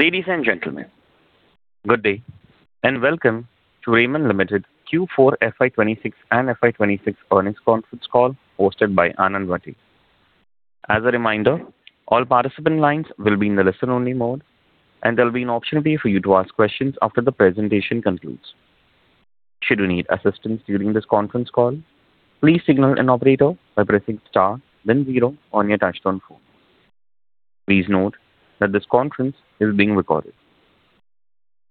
Ladies and gentlemen, good day. Welcome to Raymond Limited Q4 FY 2026 and FY 2026 earnings conference call hosted by Anand Rathi. As a reminder, all participant lines will be in the listen-only mode. There'll be an option there for you to ask questions after the presentation concludes. Should you need assistance during this conference call, please signal an operator by pressing star then zero on your touchtone phone. Please note that this conference is being recorded.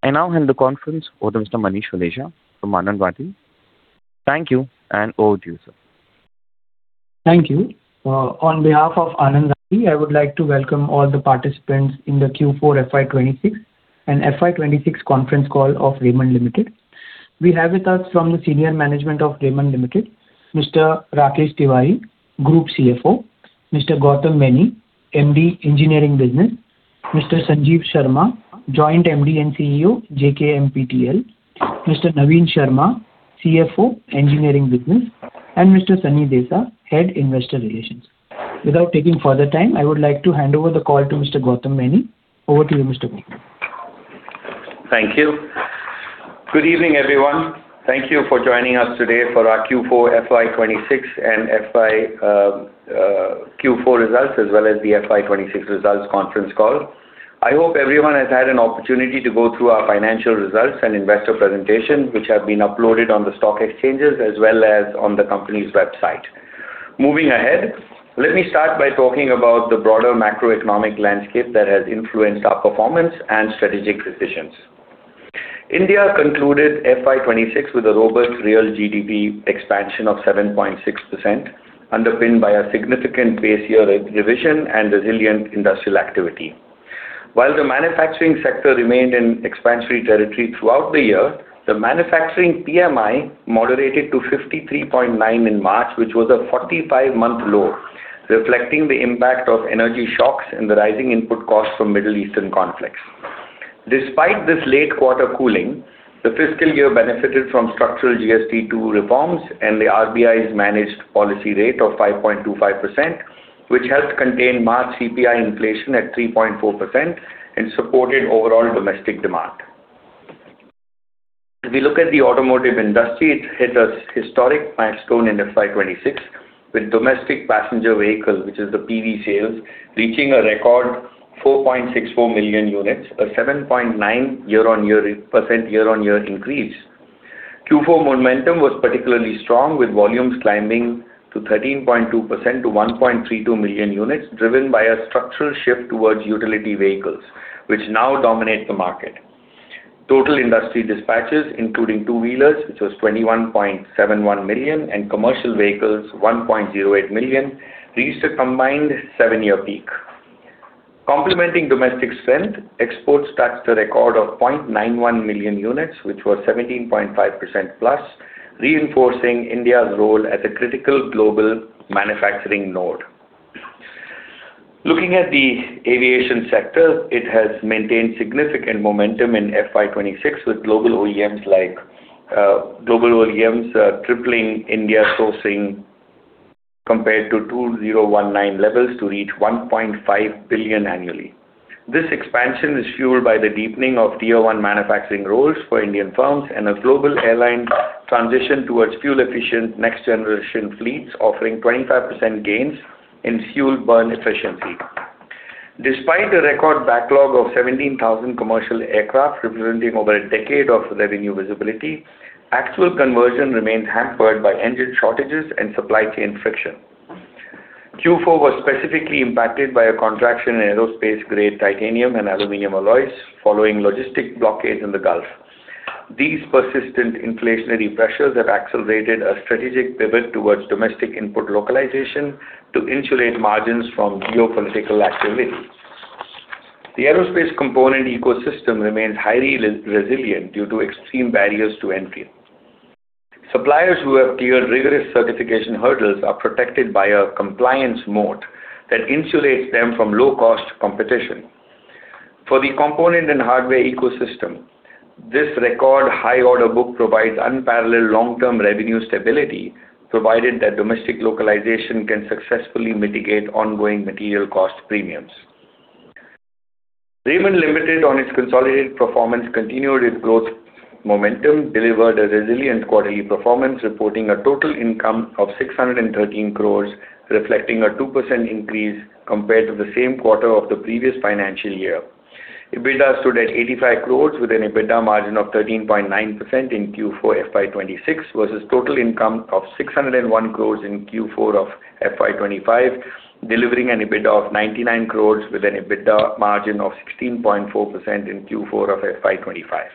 I now hand the conference over to Mr. Manish Valecha from Anand Rathi. Thank you. Over to you, sir. Thank you. On behalf of Anand Rathi, I would like to welcome all the participants in the Q4 FY 2026 and FY 2026 conference call of Raymond Limited. We have with us from the senior management of Raymond Limited, Mr. Rakesh Tiwari, Group CFO, Mr. Gautam Maini, MD Engineering Business, Mr. Sanjeev Sharma, Joint MD and CEO, JKMPTL, Mr. Navin Sharma, CFO, Engineering Business, and Mr. Sunny Desa, Head, Investor Relations. Without taking further time, I would like to hand over the call to Mr. Gautam Maini. Over to you, Mr. Maini. Thank you. Good evening, everyone. Thank you for joining us today for our Q4 FY 2026 and FY Q4 results as well as the FY 2026 results conference call. I hope everyone has had an opportunity to go through our financial results and investor presentation, which have been uploaded on the stock exchanges as well as on the company's website. Moving ahead, let me start by talking about the broader macroeconomic landscape that has influenced our performance and strategic decisions. India concluded FY 2026 with a robust real GDP expansion of 7.6%, underpinned by a significant base year revision and resilient industrial activity. While the manufacturing sector remained in expansionary territory throughout the year, the manufacturing PMI moderated to 53.9 in March, which was a 45-month low, reflecting the impact of energy shocks and the rising input costs from Middle Eastern conflicts. Despite this late quarter cooling, the fiscal year benefited from structural GST 2.0 reforms and the RBI's managed policy rate of 5.25%, which helped contain March CPI inflation at 3.4% and supported overall domestic demand. If we look at the automotive industry, it hit a historic milestone in FY 2026 with domestic passenger vehicles, which is the PV sales, reaching a record 4.64 million units, a 7.9% year-on-year increase. Q4 momentum was particularly strong, with volumes climbing to 13.2% to 1.32 million units, driven by a structural shift towards utility vehicles, which now dominate the market. Total industry dispatches, including two-wheelers, which was 21.71 million, and commercial vehicles, 1.08 million, reached a combined seven-year peak. Complementing domestic strength, exports touched a record of 0.91 million units, which was 17.5%+, reinforcing India's role as a critical global manufacturing node. Looking at the aviation sector, it has maintained significant momentum in FY 2026 with global OEMs tripling India sourcing compared to 2019 levels to reach 1.5 billion annually. This expansion is fueled by the deepening of Tier 1 manufacturing roles for Indian firms and a global airline transition towards fuel-efficient next-generation fleets offering 25% gains in fuel burn efficiency. Despite a record backlog of 17,000 commercial aircraft representing over a decade of revenue visibility, actual conversion remains hampered by engine shortages and supply chain friction. Q4 was specifically impacted by a contraction in aerospace-grade titanium and aluminum alloys following logistic blockades in the Gulf. These persistent inflationary pressures have accelerated a strategic pivot towards domestic input localization to insulate margins from geopolitical activity. The aerospace component ecosystem remains highly resilient due to extreme barriers to entry. Suppliers who have cleared rigorous certification hurdles are protected by a compliance moat that insulates them from low-cost competition. For the component and hardware ecosystem, this record high order book provides unparalleled long-term revenue stability, provided that domestic localization can successfully mitigate ongoing material cost premiums. Raymond Limited on its consolidated performance continued its growth momentum, delivered a resilient quarterly performance, reporting a total income of 613 crore, reflecting a 2% increase compared to the same quarter of the previous financial year. EBITDA stood at 85 crore with an EBITDA margin of 13.9% in Q4 FY 2026 versus total income of 601 crore in Q4 of FY 2025, delivering an EBITDA of 99 crore with an EBITDA margin of 16.4% in Q4 of FY 2025.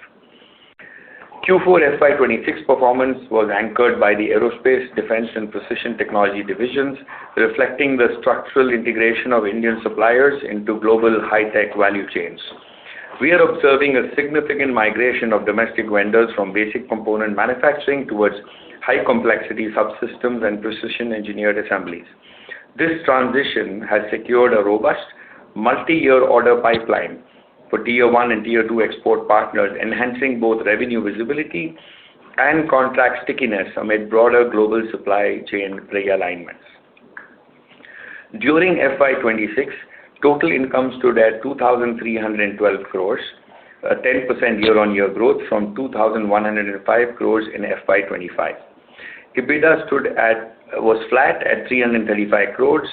Q4 FY 2026 performance was anchored by the aerospace, defense, and Precision Technology divisions, reflecting the structural integration of Indian suppliers into global high-tech value chains. We are observing a significant migration of domestic vendors from basic component manufacturing towards high complexity subsystems and precision engineered assemblies. This transition has secured a robust multi-year order pipeline for Tier 1 and Tier 2 export partners, enhancing both revenue visibility and contract stickiness amid broader global supply chain realignments. During FY 2026, total income stood at 2,312 crore, a 10% year-on-year growth from 2,105 crore in FY 2025. EBITDA was flat at 335 crore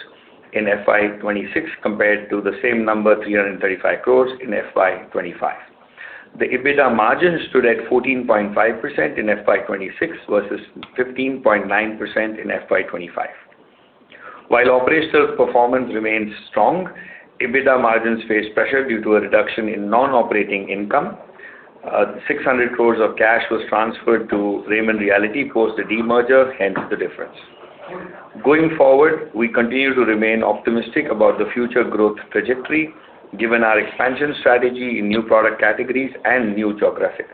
in FY 2026 compared to the same number, 335 crore in FY 2025. The EBITDA margin stood at 14.5% in FY 2026 versus 15.9% in FY 2025. While operational performance remains strong, EBITDA margins face pressure due to a reduction in non-operating income. 600 crore of cash was transferred to Raymond Realty post the demerger, hence the difference. Going forward, we continue to remain optimistic about the future growth trajectory given our expansion strategy in new product categories and new geographies.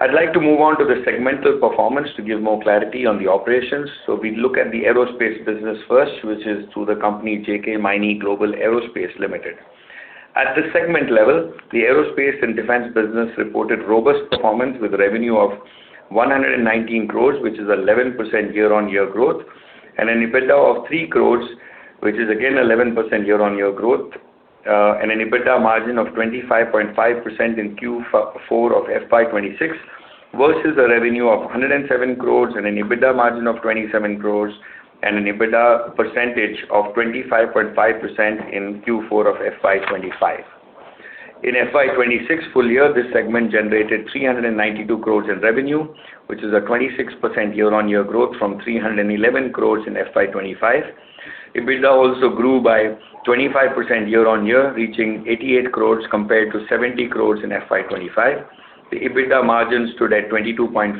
I'd like to move on to the segmental performance to give more clarity on the operations. We look at the aerospace business first, which is through the company JK Maini Global Aerospace Ltd. At this segment level, the aerospace and defense business reported robust performance with revenue of 119 crore, which is 11% year-on-year growth, and an EBITDA of 3 crore, which is again 11% year-on-year growth, and an EBITDA margin of 25.5% in Q4 of FY 2026, versus a revenue of 107 crore and an EBITDA margin of 27 crore and an EBITDA percentage of 25.5% in Q4 of FY 2025. In FY 2026 full year, this segment generated 392 crore in revenue, which is a 26% year-on-year growth from 311 crore in FY 2025. EBITDA also grew by 25% year-on-year, reaching 88 crore compared to 70 crore in FY 2025. The EBITDA margin stood at 22.3%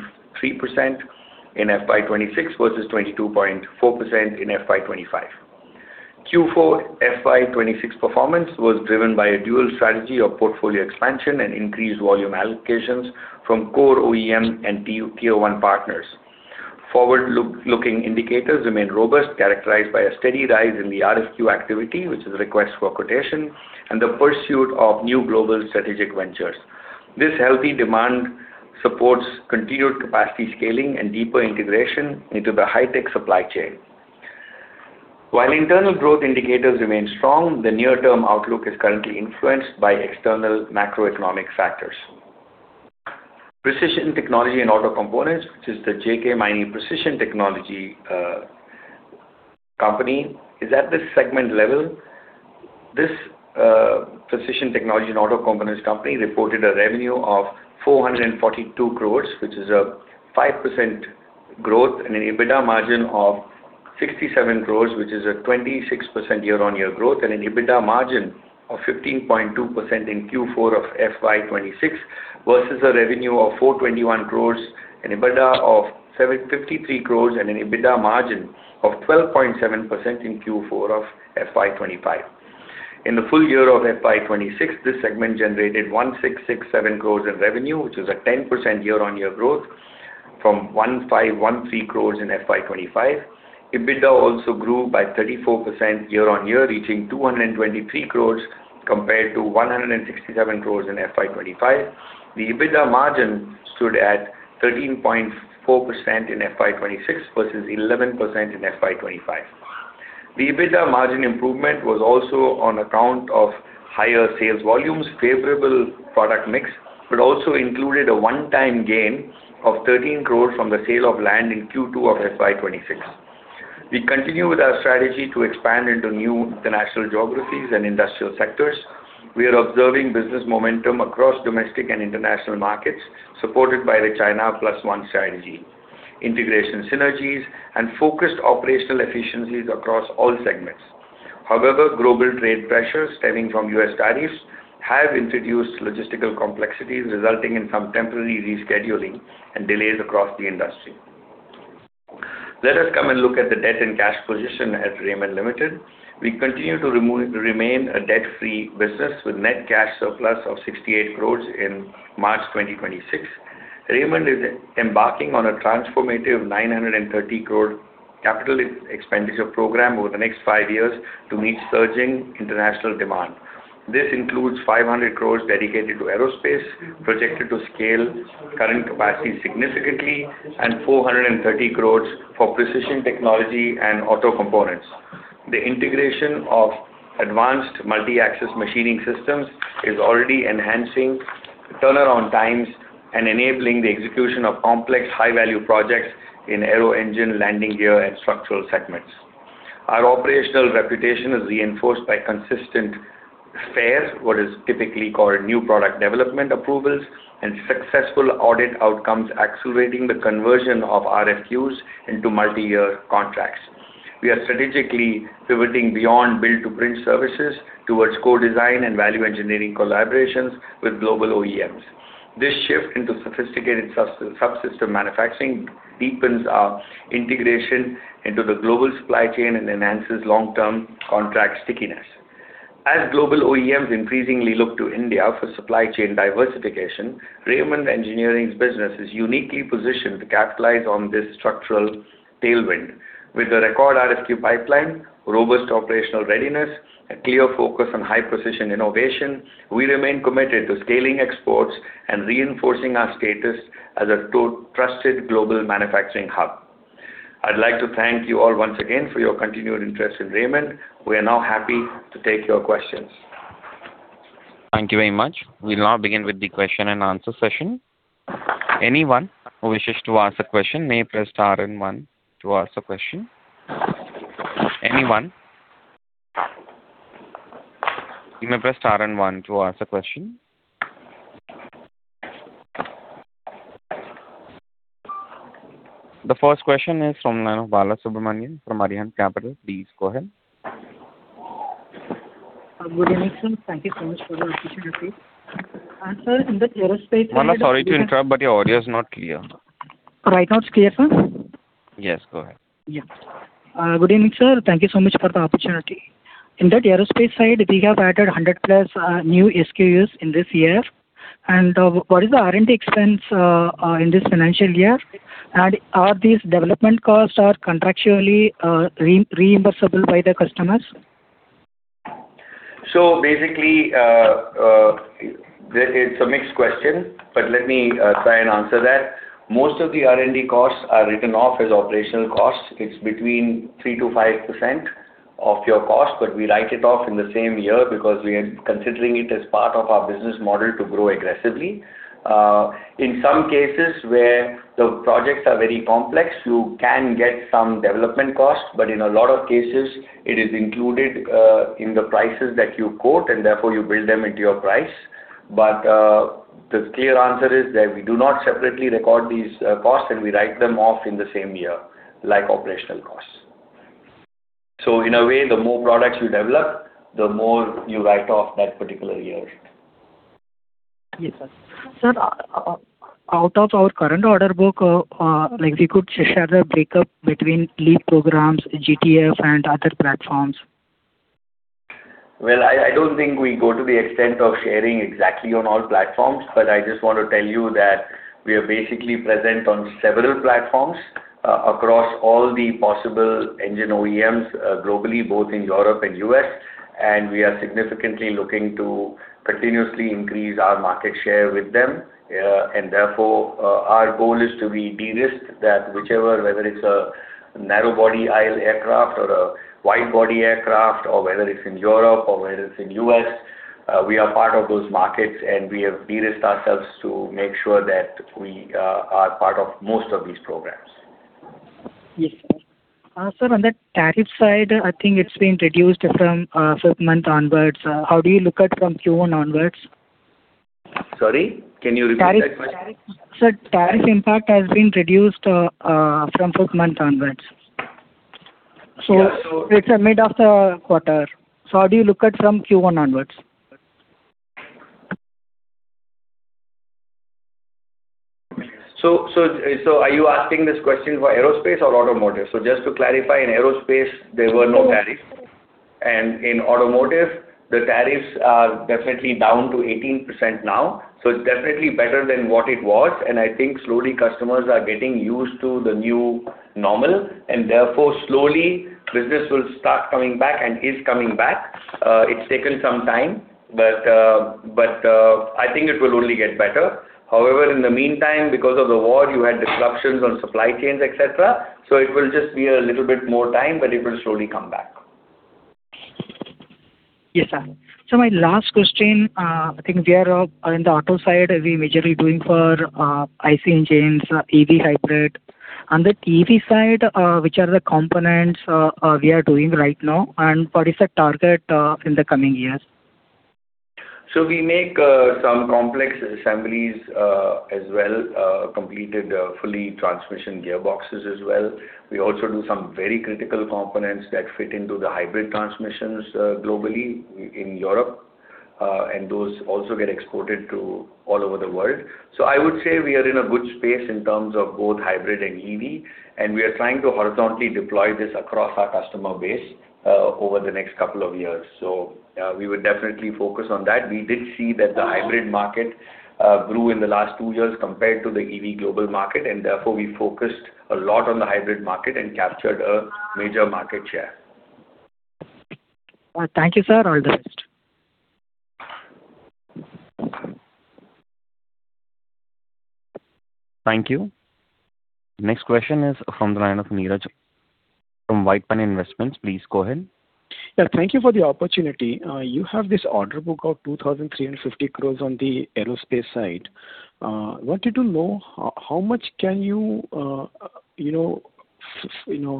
in FY 2026 versus 22.4% in FY 2025. Q4 FY 2026 performance was driven by a dual strategy of portfolio expansion and increased volume allocations from core OEM and Tier 1 partners. Forward-looking indicators remain robust, characterized by a steady rise in the RFQ activity, which is a request for quotation, and the pursuit of new global strategic ventures. This healthy demand supports continued capacity scaling and deeper integration into the high-tech supply chain. While internal growth indicators remain strong, the near-term outlook is currently influenced by external macroeconomic factors. Precision Technology and Auto Components, which is the JK Maini Precision Technology company, is at this segment level. This Precision Technology and Auto Components company reported a revenue of 442 crore, which is a 5% growth and an EBITDA margin of 67 crore, which is a 26% year-on-year growth and an EBITDA margin of 15.2% in Q4 of FY 2026 versus a revenue of 421 crore, an EBITDA of 53 crore and an EBITDA margin of 12.7% in Q4 of FY 2025. In the full year of FY 2026, this segment generated 1,667 crore in revenue, which is a 10% year-on-year growth from 1,513 crore in FY 2025. EBITDA also grew by 34% year-on-year, reaching 223 crore compared to 167 crore in FY 2025. The EBITDA margin stood at 13.4% in FY 2026 versus 11% in FY 2025. The EBITDA margin improvement was also on account of higher sales volumes, favorable product mix, but also included a one-time gain of 13 crore from the sale of land in Q2 of FY 2026. We continue with our strategy to expand into new international geographies and industrial sectors. We are observing business momentum across domestic and international markets, supported by the China Plus One strategy, integration synergies, and focused operational efficiencies across all segments. However, global trade pressures stemming from U.S. tariffs have introduced logistical complexities, resulting in some temporary rescheduling and delays across the industry. Let us come and look at the debt and cash position at Raymond Limited. We continue to remain a debt-free business with net cash surplus of 68 crore in March 2026. Raymond is embarking on a transformative 930 crore CapEx program over the next five years to meet surging international demand. This includes 500 crore dedicated to aerospace, projected to scale current capacity significantly and 430 crore for precision technology and auto components. The integration of advanced multi-axis machining systems is already enhancing turnaround times and enabling the execution of complex high-value projects in aero engine, landing gear, and structural segments. Our operational reputation is reinforced by consistent NPD approvals and successful audit outcomes, accelerating the conversion of RFQs into multi-year contracts. We are strategically pivoting beyond build-to-print services towards co-design and value engineering collaborations with global OEMs. This shift into sophisticated subsystem manufacturing deepens our integration into the global supply chain and enhances long-term contract stickiness. As global OEMs increasingly look to India for supply chain diversification, Raymond Engineering's business is uniquely positioned to capitalize on this structural tailwind. With a record RFQ pipeline, robust operational readiness, a clear focus on high-precision innovation, we remain committed to scaling exports and reinforcing our status as a trusted global manufacturing hub. I'd like to thank you all once again for your continued interest in Raymond. We are now happy to take your questions. Thank you very much. We'll now begin with the question and answer session. Anyone who wishes to ask a question may press star one to ask a question. Anyone? You may press star one to ask a question. The first question is from the line of Balasubramanian from Arihant Capital. Please go ahead. Good evening, sir. Thank you so much for the opportunity. Bala, sorry to interrupt, but your audio is not clear. Right now it's clear, sir? Yes, go ahead. Good evening, sir. Thank you so much for the opportunity. In the aerospace side, we have added 100+ new SKUs in this year. What is the R&D expense in this financial year? Are these development costs are contractually reimbursable by the customers? Basically, it's a mixed question, but let me try and answer that. Most of the R&D costs are written off as operational costs. It's between 3%-5% of your cost, but we write it off in the same year because we are considering it as part of our business model to grow aggressively. In some cases where the projects are very complex, you can get some development costs, but in a lot of cases it is included in the prices that you quote, and therefore you build them into your price. The clear answer is that we do not separately record these costs, and we write them off in the same year, like operational costs. In a way, the more products you develop, the more you write off that particular year. Yes, sir. Sir, out of our current order book, like we could share the breakup between LEAP programs, GTF and other platforms. Well, I don't think we go to the extent of sharing exactly on all platforms, but I just want to tell you that we are basically present on several platforms across all the possible engine OEMs globally, both in Europe and U.S. We are significantly looking to continuously increase our market share with them. Therefore, our goal is to de-risk that whichever whether it's a narrow body aisle aircraft or a wide body aircraft or whether it's in Europe or whether it's in U.S., we are part of those markets, and we have de-risked ourselves to make sure that we are part of most of these programs. Yes, sir. Sir, on the tariff side, I think it's been reduced from fifth month onwards. How do you look at from Q1 onwards? Sorry, can you repeat that question? Sir, tariff impact has been reduced from fifth month onwards. Yeah, so- It's a mid of the quarter. How do you look at from Q1 onwards? Are you asking this question for aerospace or automotive? Just to clarify, in aerospace there were no tariffs. Okay. In automotive, the tariffs are definitely down to 18% now, so it's definitely better than what it was. I think slowly customers are getting used to the new normal and therefore slowly business will start coming back and is coming back. It's taken some time, but I think it will only get better. In the meantime, because of the war, you had disruptions on supply chains, et cetera. It will just be a little bit more time, but it will slowly come back. Yes, sir. My last question, I think we are in the auto side, we majorly doing for IC engines, EV hybrid. On the EV side, which are the components we are doing right now, and what is the target in the coming years? We make some complex assemblies as well, completed fully transmission gearboxes as well. We also do some very critical components that fit into the hybrid transmissions globally in Europe. Those also get exported to all over the world. I would say we are in a good space in terms of both hybrid and EV, and we are trying to horizontally deploy this across our customer base over the next couple of years. We would definitely focus on that. We did see that the hybrid market grew in the last two years compared to the EV global market, and therefore we focused a lot on the hybrid market and captured a major market share. Thank you, sir. All the best. Thank you. Next question is from the line of Niraj Mansingka from White Pine Investment. Please go ahead. Yeah. Thank you for the opportunity. You have this order book of 2,350 crore on the aerospace side. Wanted to know how much can you know,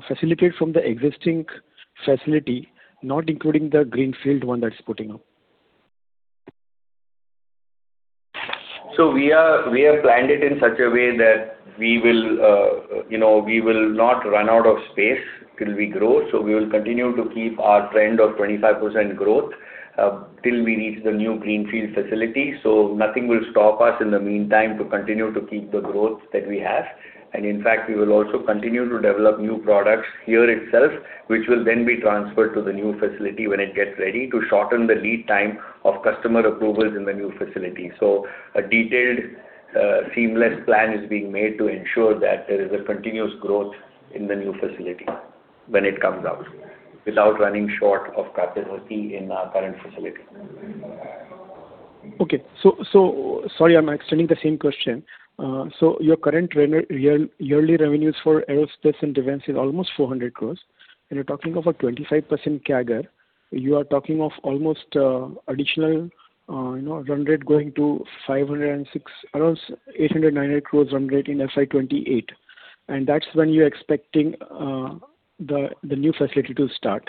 facilitate from the existing facility, not including the greenfield one that's putting up? We are, we have planned it in such a way that we will, you know, we will not run out of space till we grow. We will continue to keep our trend of 25% growth till we reach the new greenfield facility. Nothing will stop us in the meantime to continue to keep the growth that we have. In fact, we will also continue to develop new products here itself, which will then be transferred to the new facility when it gets ready to shorten the lead time of customer approvals in the new facility. A detailed, seamless plan is being made to ensure that there is a continuous growth in the new facility when it comes out, without running short of capacity in our current facility. Okay. Sorry I'm extending the same question. Your current yearly revenues for aerospace and defense is almost 400 crore, and you're talking of a 25% CAGR. You are talking of almost, you know, run rate going to 506 crore, around 800 crore-900 crore run rate in FY 2028. That's when you're expecting the new facility to start.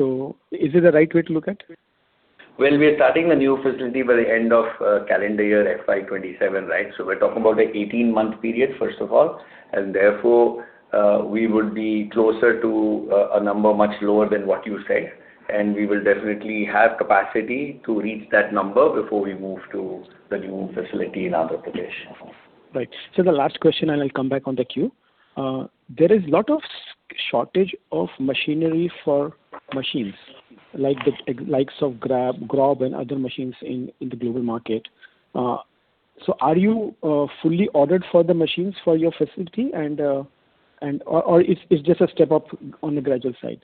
Is it the right way to look at it? Well, we are starting the new facility by the end of, calendar year FY 2027, right? We're talking about a 18-month period, first of all, and therefore, we would be closer to a number much lower than what you said. We will definitely have capacity to reach that number before we move to the new facility in Andhra Pradesh. Right. Sir, the last question. I'll come back on the queue. There is lot of shortage of machinery for machines, like the, like of Grob and other machines in the global market. Are you fully ordered for the machines for your facility and or it's just a step up on the gradual side?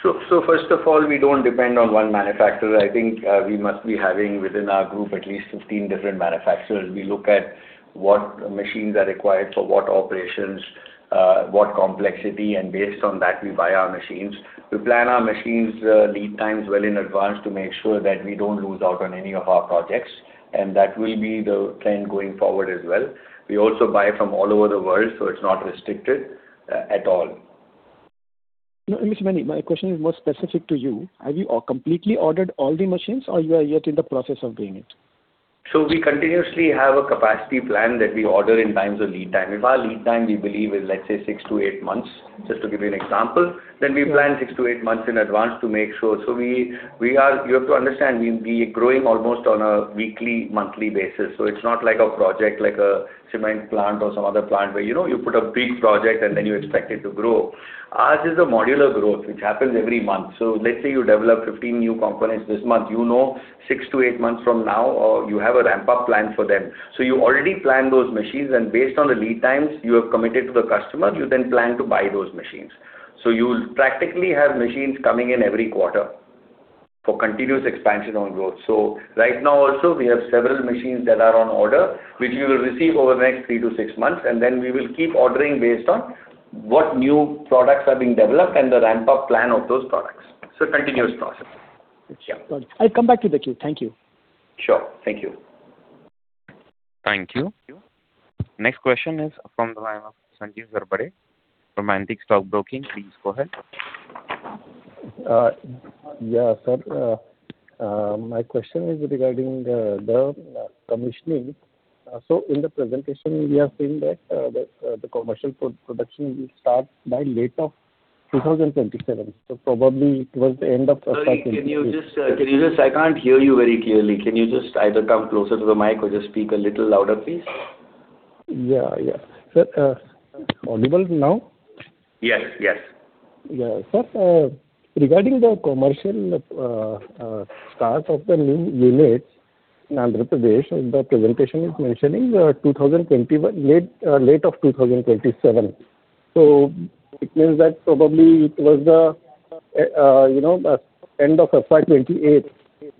First of all, we don't depend on one manufacturer. I think, we must be having within our group at least 15 different manufacturers. We look at what machines are required for what operations, what complexity, based on that, we buy our machines. We plan our machines' lead times well in advance to make sure that we don't lose out on any of our projects, that will be the plan going forward as well. We also buy from all over the world, it's not restricted at all. No, Mr. Maini, my question is more specific to you. Have you completely ordered all the machines or you are yet in the process of doing it? We continuously have a capacity plan that we order in times of lead time. If our lead time, we believe is, let's say, six to eight months, just to give you an example, we plan six to eight months in advance to make sure. You have to understand, we are growing almost on a weekly, monthly basis. It's not like a project like a cement plant or some other plant where, you know, you put a big project and you expect it to grow. Ours is a modular growth, which happens every month. Let's say you develop 15 new components this month. You know six to eight months from now, you have a ramp-up plan for them. You already plan those machines, and based on the lead times you have committed to the customer, you then plan to buy those machines. You'll practically have machines coming in every quarter for continuous expansion on growth. Right now also, we have several machines that are on order, which we will receive over the next three to six months, and then we will keep ordering based on what new products are being developed and the ramp-up plan of those products. It's a continuous process. Yeah. Got it. I'll come back to the queue. Thank you. Sure. Thank you. Thank you. Next question is from the line of Sanjeev Zarbade from Antique Stock Broking. Please go ahead. Yeah, sir. My question is regarding the commissioning. In the presentation, we have seen that the commercial production will start by late of 2027. Sorry, can you just I can't hear you very clearly. Can you just either come closer to the mic or just speak a little louder, please? Yeah, yeah. Sir, audible now? Yes, yes. Yeah. Sir, regarding the commercial start of the new units in Andhra Pradesh, the presentation is mentioning 2021, late of 2027. It means that probably it was the, you know, end of FY 2028,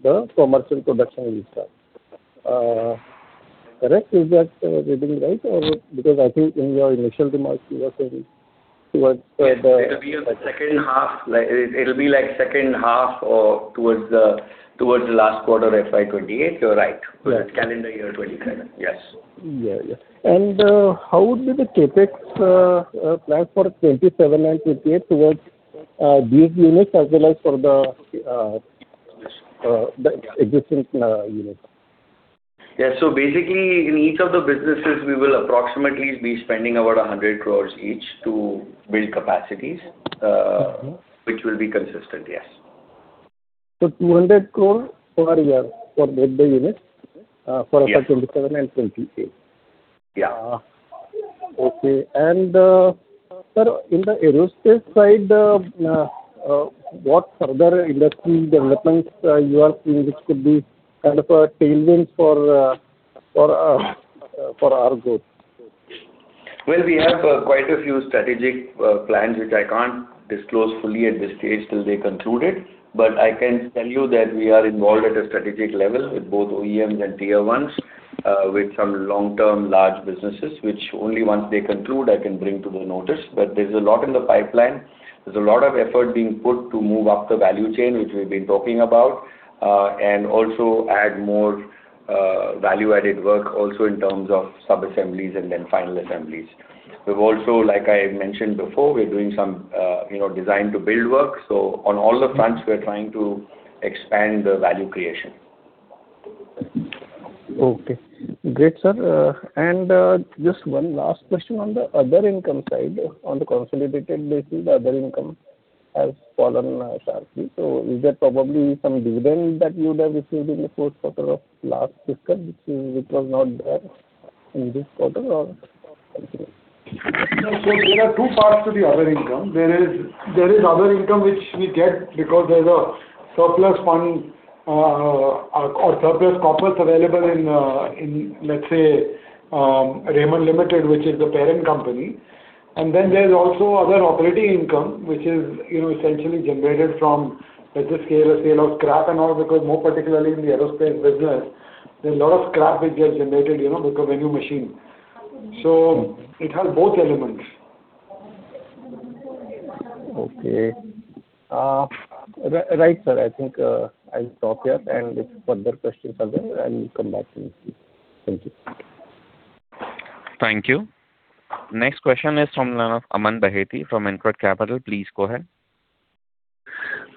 the commercial production will start. Correct? Is that reading right? Yes, it'll be in the second half. Like, it'll be like second half or towards the last quarter of FY 2028. You're right. Correct. Towards calendar year 2027. Yes. Yeah, yeah. How would be the CapEx planned for 2027 and 2028 towards these units as well as for the existing units? Yeah. Basically, in each of the businesses we will approximately be spending about 100 crore each to build capacities which will be consistent, yes. 200 crore per year for both the units. Yeah for FY 2027 and 2028. Yeah. Okay. Sir, in the aerospace side, what further industry developments you are seeing which could be kind of a tailwind for our growth? Well, we have, quite a few strategic, plans which I can't disclose fully at this stage till they concluded. I can tell you that we are involved at a strategic level with both OEMs and Tier 1s, with some long-term large businesses, which only once they conclude I can bring to the notice. There's a lot in the pipeline. There's a lot of effort being put to move up the value chain, which we've been talking about, and also add more, value-added work also in terms of sub-assemblies and then final assemblies. We've also, like I mentioned before, we're doing some, you know, design-to-build work. On all the fronts we are trying to expand the value creation. Okay. Great, sir. Just one last question on the other income side. On the consolidated basis, the other income has fallen sharply. Is that probably some dividend that you would have received in the fourth quarter of last fiscal, which is, which was not there in this quarter or something else? No. There are two parts to the other income. There is other income which we get because there's a surplus fund or surplus corpus available in Raymond Limited, which is the parent company. There's also other operating income, which is, you know, essentially generated from, let's just say, a sale of scrap and all, because more particularly in the aerospace business, there's a lot of scrap which gets generated, you know. It has both elements. Okay. right, sir. I think, I'll stop here and if further questions are there, I will come back to you. Thank you. Thank you. Next question is from the line of Aman Baheti from InCred Capital. Please go ahead.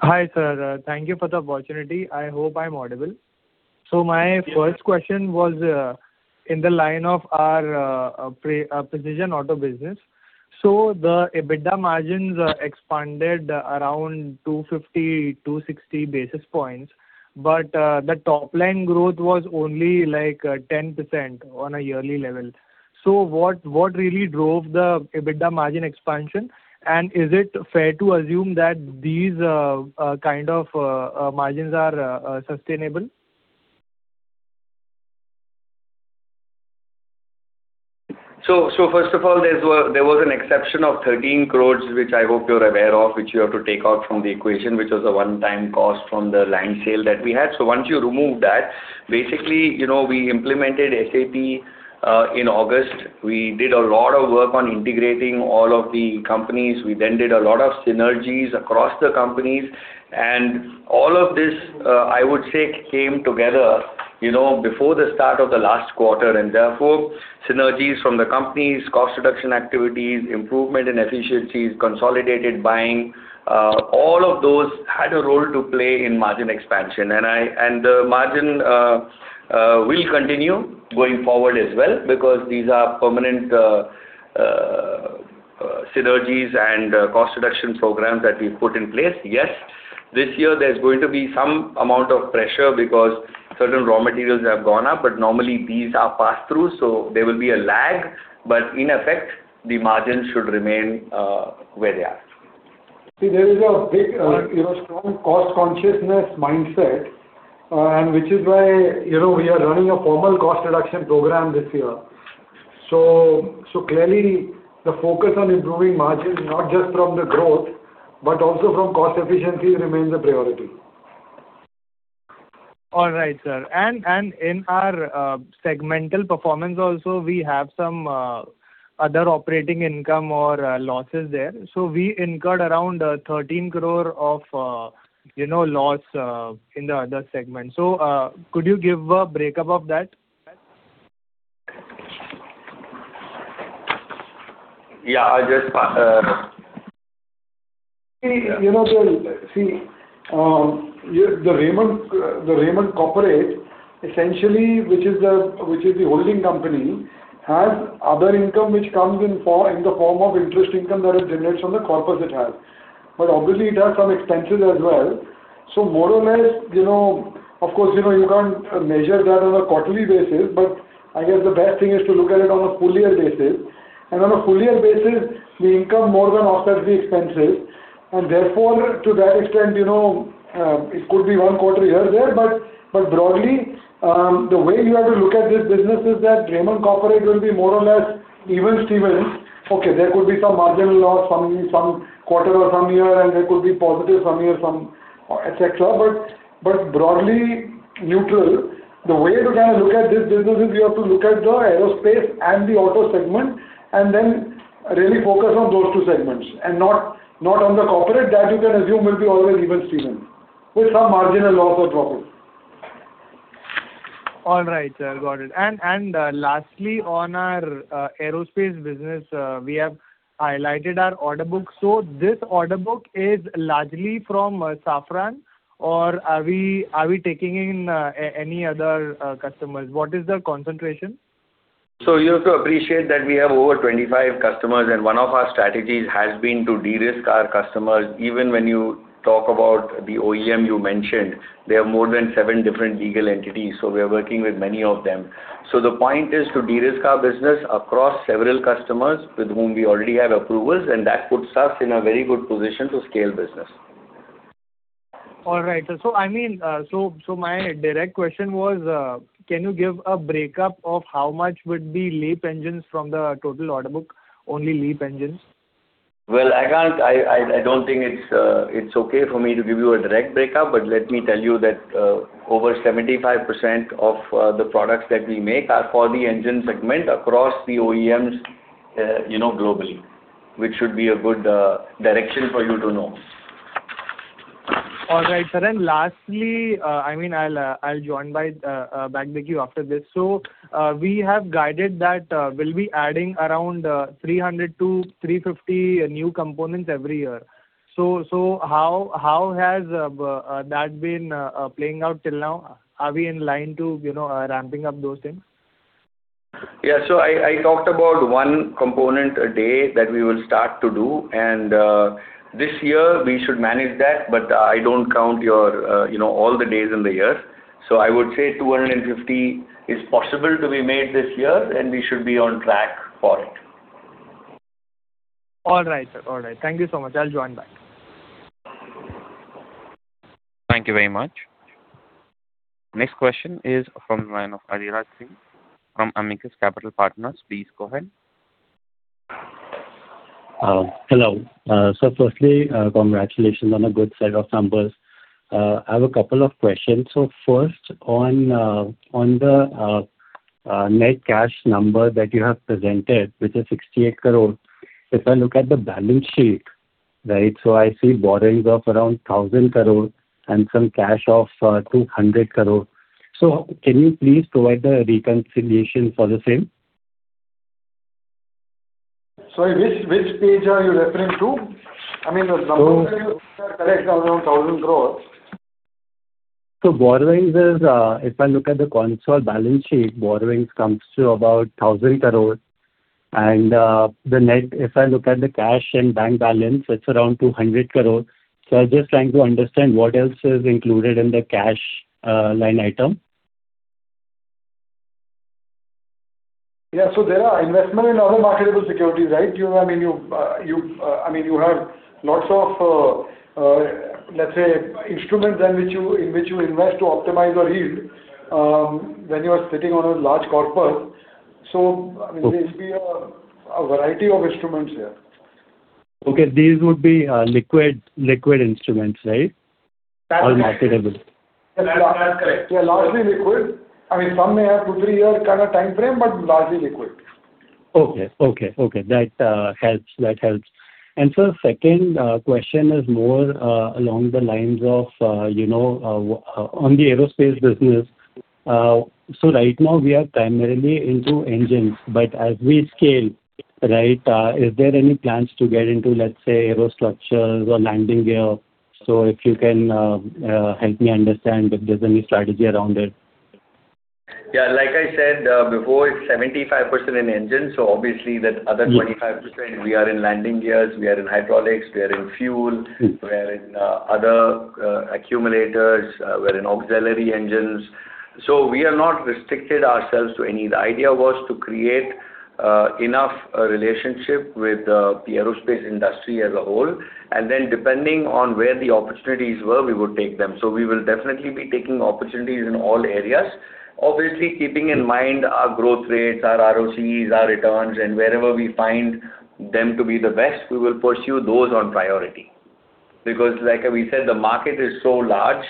Hi, sir. Thank you for the opportunity. I hope I'm audible. My first question was in the line of our precision auto business. The EBITDA margins expanded around 250, 260 basis points. The top line growth was only like 10% on a yearly level. What really drove the EBITDA margin expansion? Is it fair to assume that these kind of margins are sustainable? First of all, there was an exception of 13 crore, which I hope you're aware of, which you have to take out from the equation, which was a one-time cost from the land sale that we had. Once you remove that, basically, you know, we implemented SAP in August. We did a lot of work on integrating all of the companies. We did a lot of synergies across the companies. All of this, I would say, came together, you know, before the start of the last quarter, synergies from the companies, cost reduction activities, improvement in efficiencies, consolidated buying, all of those had a role to play in margin expansion. The margin will continue going forward as well because these are permanent synergies and cost reduction programs that we've put in place. This year there's going to be some amount of pressure because certain raw materials have gone up, but normally these are pass-through, so there will be a lag. In effect, the margins should remain where they are. See, there is a big, you know, strong cost consciousness mindset, which is why, you know, we are running a formal cost reduction program this year. Clearly the focus on improving margins, not just from the growth, but also from cost efficiency remains a priority. All right, sir. In our segmental performance also, we have some other operating income or losses there. We incurred around 13 crore of, you know, loss in the other segment. Could you give a breakup of that? Yeah, I'll just, See, you know, the Raymond, the Raymond Corporate, essentially, which is the, which is the holding company, has other income which comes in in the form of interest income that it generates from the corpus it has. Obviously it has some expenses as well. More or less, you know, of course, you know, you can't measure that on a quarterly basis, but I guess the best thing is to look at it on a full year basis. On a full year basis, the income more than offsets the expenses, and therefore, to that extent, you know, it could be one quarter here, there, but broadly, the way you have to look at this business is that Raymond Corporate will be more or less even Steven. There could be some marginal loss some quarter or some year, and there could be positive some year, et cetera, but broadly neutral. The way to kind of look at this business is you have to look at the aerospace and the auto segment and then really focus on those two segments and not on the corporate. That you can assume will be always even Steven, with some marginal loss or profit. All right, sir. Got it. Lastly, on our aerospace business, we have highlighted our order book. This order book is largely from Safran or are we taking in any other customers? What is the concentration? You have to appreciate that we have over 25 customers and one of our strategies has been to de-risk our customers. Even when you talk about the OEM you mentioned, they have more than seven different legal entities, so we are working with many of them. The point is to de-risk our business across several customers with whom we already have approvals and that puts us in a very good position to scale business. All right, sir. I mean, so my direct question was, can you give a breakup of how much would be LEAP engines from the total order book? Only LEAP engines. Well, I don't think it's okay for me to give you a direct breakup, but let me tell you that, over 75% of the products that we make are for the engine segment across the OEMs, you know, globally, which should be a good direction for you to know. All right, sir. Lastly, I mean, I'll join back with you after this. We have guided that we'll be adding around 300-350 new components every year. How has that been playing out till now? Are we in line to, you know, ramping up those things? Yeah. I talked about one component a day that we will start to do. This year we should manage that, but I don't count your, you know, all the days in the year. I would say 250 is possible to be made this year, and we should be on track for it. All right, sir. All right. Thank you so much. I'll join back. Thank you very much. Next question is from the line of Adhiraj Singh from Amicus Capital Partners. Please go ahead. Hello. Firstly, congratulations on a good set of numbers. I have a couple of questions. First, on the net cash number that you have presented, which is 68 crore, if I look at the balance sheet, right, I see borrowings of around 1,000 crore and some cash of 200 crore. Can you please provide the reconciliation for the same? Sorry, which page are you referring to? I mean, the numbers that you- So-... are correct are around INR 1,000 crore. Borrowings is, if I look at the consolidated balance sheet, borrowings comes to about 1,000 crore. The net, if I look at the cash and bank balance, it's around 200 crore. I was just trying to understand what else is included in the cash line item. Yeah. There are investment in other marketable securities, right? You, I mean, you, I mean, you have lots of, let's say instruments in which you invest to optimize your yield when you are sitting on a large corpus. I mean, there's been a variety of instruments there. Okay. These would be liquid instruments, right? That's- marketable. That, that's correct. Yeah, largely liquid. I mean, some may have two, three-year kind of timeframe, but largely liquid. Okay. Okay. Okay. That helps. That helps. Sir, second question is more along the lines of, you know, on the aerospace business. So right now we are primarily into engines, but as we scale, right, is there any plans to get into, let's say, aerostructures or landing gear? So if you can, help me understand if there's any strategy around it. Yeah, like I said, before, it's 75% in engine, obviously that other 25% we are in landing gears, we are in hydraulics. We are in other accumulators, we're in auxiliary engines. We are not restricted ourselves to any. The idea was to create enough relationship with the aerospace industry as a whole, and then depending on where the opportunities were, we would take them. We will definitely be taking opportunities in all areas. Obviously, keeping in mind our growth rates, our ROCEs, our returns, and wherever we find them to be the best, we will pursue those on priority. Like we said, the market is so large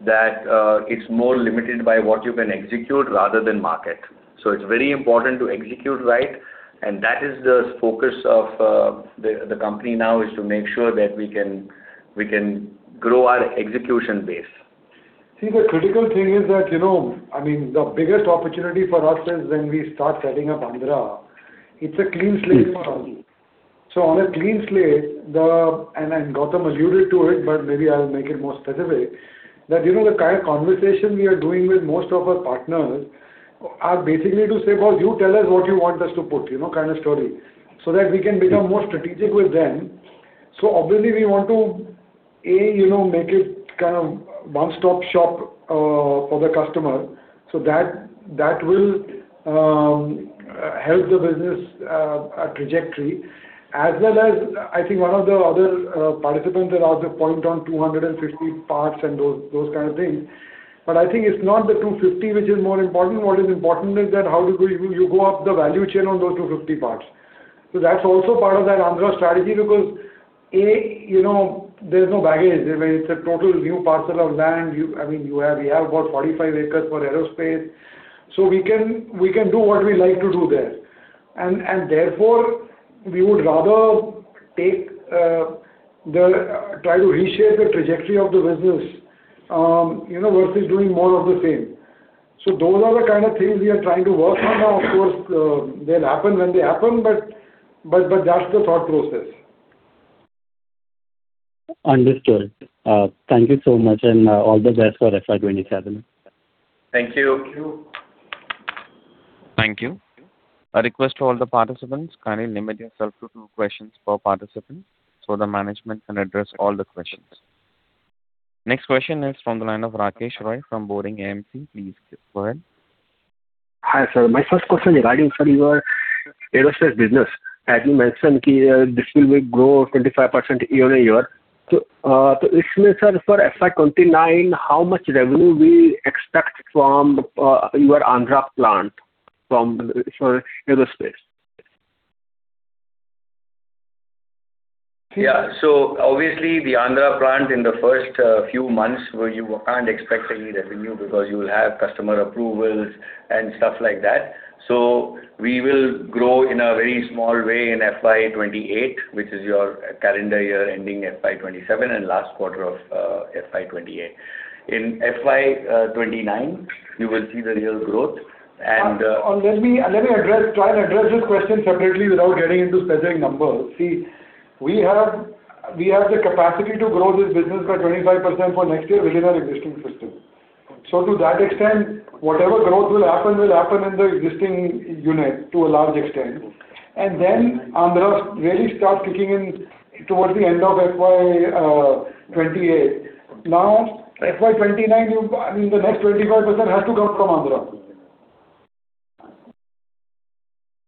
that it's more limited by what you can execute rather than market. It's very important to execute right, and that is the focus of the company now, is to make sure that we can, we can grow our execution base. See, the critical thing is that, you know, I mean, the biggest opportunity for us is when we start setting up Andhra. It's a clean slate for us. On a clean slate, Gautam alluded to it, but maybe I'll make it more specific, that, you know, the kind of conversation we are doing with most of our partners are basically to say, "Well, you tell us what you want us to put," you know, kind of story, so that we can become more strategic with them. Obviously we want to, A, you know, make it kind of one-stop shop for the customer, so that will help the business trajectory. As well as, I think one of the other participants had also pointed on 250 parts and those kind of things. I think it's not the 250 which is more important. What is important is that how do you go up the value chain on those 250 parts. That's also part of that Andhra strategy, because A, you know, there's no baggage. I mean, it's a total new parcel of land. You, I mean, you have about 45 acres for aerospace. We can do what we like to do there. Therefore, we would rather take the try to reshape the trajectory of the business, you know, versus doing more of the same. Those are the kind of things we are trying to work on now. Of course, they'll happen when they happen, but that's the thought process. Understood. Thank you so much, and, all the best for FY 2027. Thank you. Thank you. Thank you. A request to all the participants, kindly limit yourself to two questions per participant so the management can address all the questions. Next question is from the line of Rakesh Roy from Boring AMC. Please go ahead. Hi, sir. My first question regarding, sir, your aerospace business. As you mentioned, this will grow 25% year-on-year. This means, sir, for FY 2029, how much revenue we expect from your Andhra plant for aerospace? Yeah. Obviously the Andhra plant in the first few months where you can't expect any revenue because you will have customer approvals and stuff like that. We will grow in a very small way in FY 2028, which is your calendar year ending FY 2027 and last quarter of FY 2028. In FY 2029, you will see the real growth. Let me try and address this question separately without getting into specific numbers. See, we have the capacity to grow this business by 25% for next year within our existing system. To that extent, whatever growth will happen will happen in the existing unit to a large extent. Then Andhra really starts kicking in towards the end of FY 2028. FY 2029, I mean, the next 25% has to come from Andhra.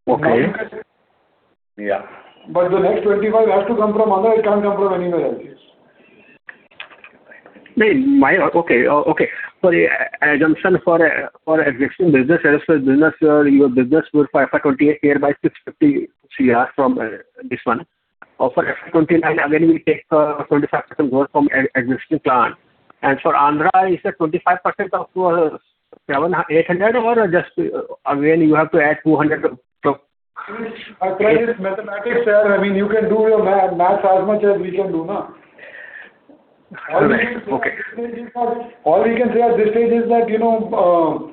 Okay. Yeah. The next 25 has to come from Andhra. It can't come from anywhere else. Okay, okay. The assumption for existing business, Yes. Your business grew for FY 2028 by 650 crore from this one. For FY 2029, again, we take 25% growth from existing plant. For Andhra, is that 25% of 700 crore-800 crore or just again you have to add 200 crore? I tried this mathematics, sir. I mean, you can do your maths as much as we can do, no. All right. Okay. All we can say at this stage is that, you know,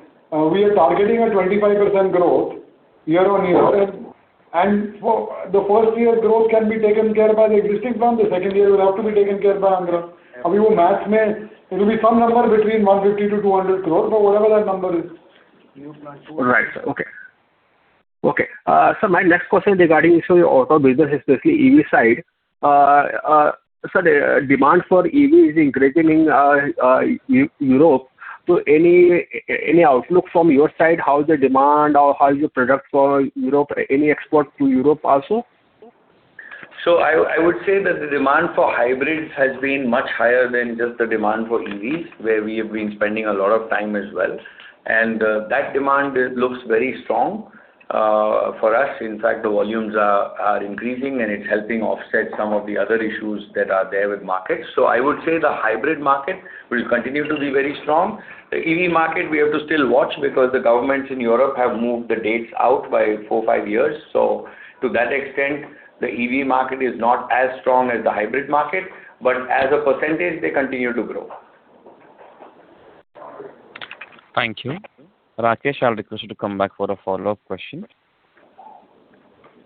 we are targeting a 25% growth year on year. Right. For the first year growth can be taken care of by the existing plant. The second year will have to be taken care of by Andhra. I mean, math may, it will be some number between 150 crore-200 crore. Whatever that number is. Right. Okay. Okay, my next question regarding your auto business, especially EV side. Sir, the demand for EV is increasing in Europe. Any outlook from your side, how the demand or how is your product for Europe? Any export to Europe also? I would say that the demand for hybrids has been much higher than just the demand for EVs, where we have been spending a lot of time as well. That demand looks very strong for us. In fact, the volumes are increasing, and it's helping offset some of the other issues that are there with markets. I would say the hybrid market will continue to be very strong. The EV market we have to still watch because the governments in Europe have moved the dates out by four, five years. To that extent, the EV market is not as strong as the hybrid market, but as a percentage, they continue to grow. Thank you. Rakesh, I'll request you to come back for a follow-up question.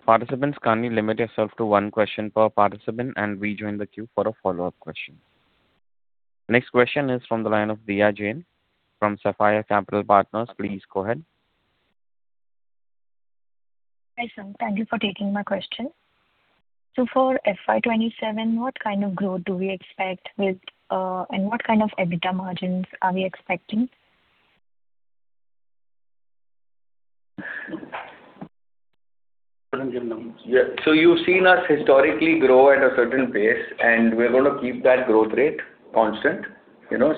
Participants kindly limit yourself to one question per participant and rejoin the queue for a follow-up question. Next question is from the line of Deeya Jain from Sapphire Capital Partners. Please go ahead. Hi, sir. Thank you for taking my question. For FY 2027, what kind of growth do we expect with and what kind of EBITDA margins are we expecting? I wouldn't give numbers. Yeah. You've seen us historically grow at a certain pace, and we're gonna keep that growth rate constant, you know.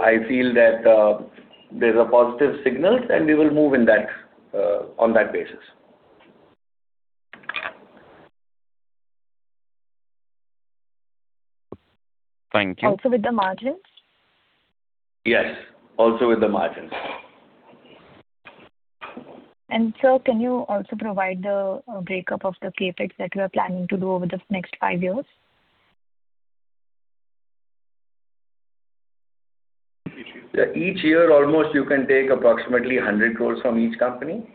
I feel that there's a positive signal and we will move in that on that basis. Thank you. Also with the margins? Yes, also with the margins. Sir, can you also provide the breakup of the CapEx that you are planning to do over the next five years? Each year, almost you can take approximately 100 crore from each company.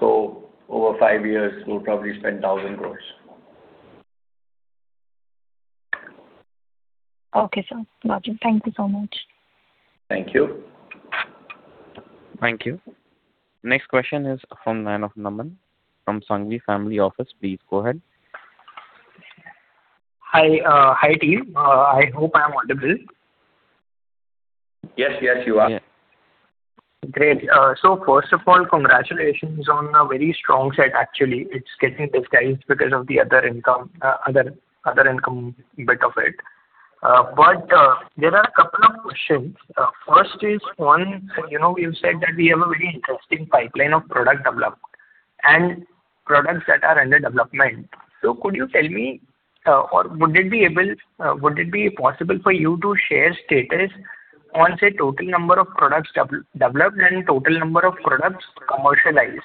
Over five years, we will probably spend INR 1,000 crore. Okay, sir. Got you. Thank you so much. Thank you. Thank you. Next question is from the line of Naman from Sanghvi Family Office. Please go ahead. Hi. Hi, team. I hope I'm audible. Yes. Yes, you are. Great. First of all, congratulations on a very strong set actually. It's getting disguised because of the other income bit of it. There are a couple of questions. First is, one, you know, you said that we have a very interesting pipeline of product developed and products that are under development. Could you tell me, or would it be able, would it be possible for you to share status on, say, total number of products developed and total number of products commercialized?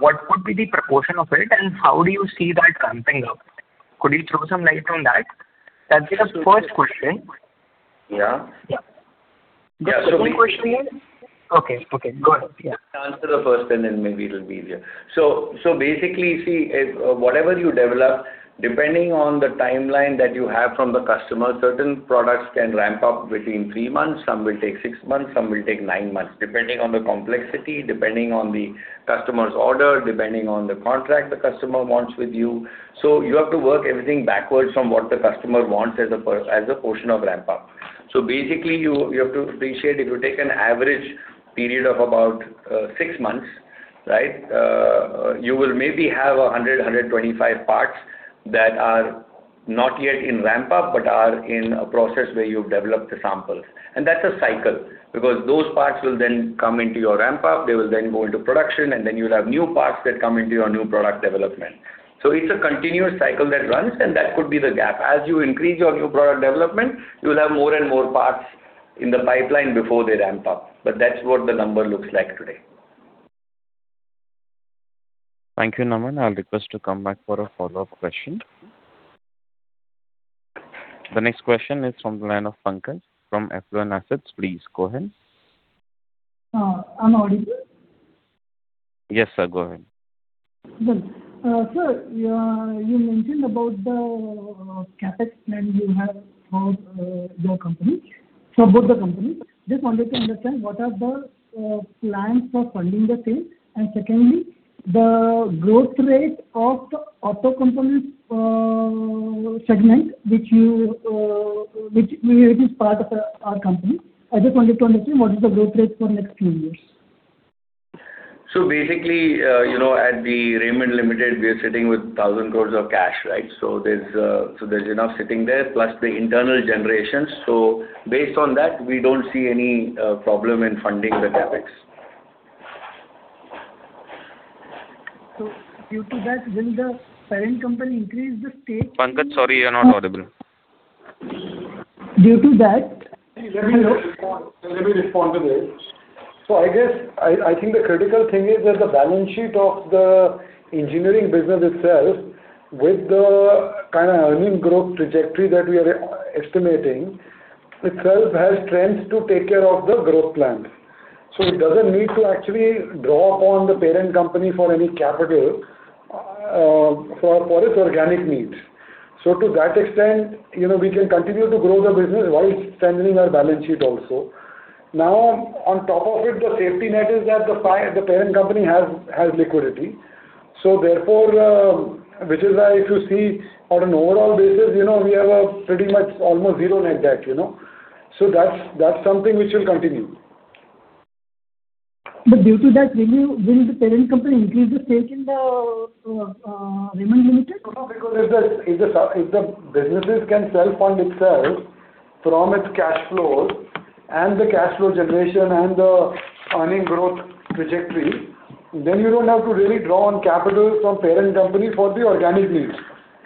What would be the proportion of it, and how do you see that ramping up? Could you throw some light on that? That's just first question. Yeah. Yeah. Yeah. The second question is Okay. Okay, go ahead. Yeah. Answer the first and then maybe it'll be easier. Basically, see if whatever you develop, depending on the timeline that you have from the customer, certain products can ramp up between three months, some will take six months, some will take nine months, depending on the complexity, depending on the customer's order, depending on the contract the customer wants with you. You have to work everything backwards from what the customer wants as a portion of ramp up. Basically, you have to appreciate, if you take an average period of about six months, right? You will maybe have 125 parts that are not yet in ramp-up, but are in a process where you've developed the samples. That's a cycle, because those parts will then come into your ramp-up. They will then go into production, and then you'll have new parts that come into your new product development. It's a continuous cycle that runs, and that could be the gap. As you increase your new product development, you'll have more and more parts in the pipeline before they ramp up. That's what the number looks like today. Thank you, Naman. I'll request you to come back for a follow-up question. The next question is from the line of Pankaj from Affluent Assets. Please go ahead. I'm audible? Yes, sir. Go ahead. Good. Sir, you mentioned about the CapEx plan you have for your company, for both the companies. Just wanted to understand what are the plans for funding the same. Secondly, the growth rate of the auto components segment which you, which is part of our company, I just wanted to understand what is the growth rate for next few years. Basically, you know, at the Raymond Limited, we are sitting with 1,000 crore of cash, right? There's enough sitting there, plus the internal generation. Based on that, we don't see any problem in funding the CapEx. Due to that, will the parent company increase the stake? Pankaj, sorry, you're not audible. Due to that. Let me respond to this. I guess I think the critical thing is that the balance sheet of the engineering business itself, with the kind of earning growth trajectory that we are estimating itself has strengths to take care of the growth plan. It doesn't need to actually draw upon the parent company for any capital for its organic needs. To that extent, you know, we can continue to grow the business while strengthening our balance sheet also. On top of it, the safety net is that the parent company has liquidity. Therefore, which is why if you see on an overall basis, you know, we have a pretty much almost zero net debt, you know. That's something which will continue. Due to that, will the parent company increase the stake in the Raymond Limited? No, because if the businesses can self-fund itself from its cash flows and the cash flow generation and the earning growth trajectory, then you don't have to really draw on capital from parent company for the organic needs.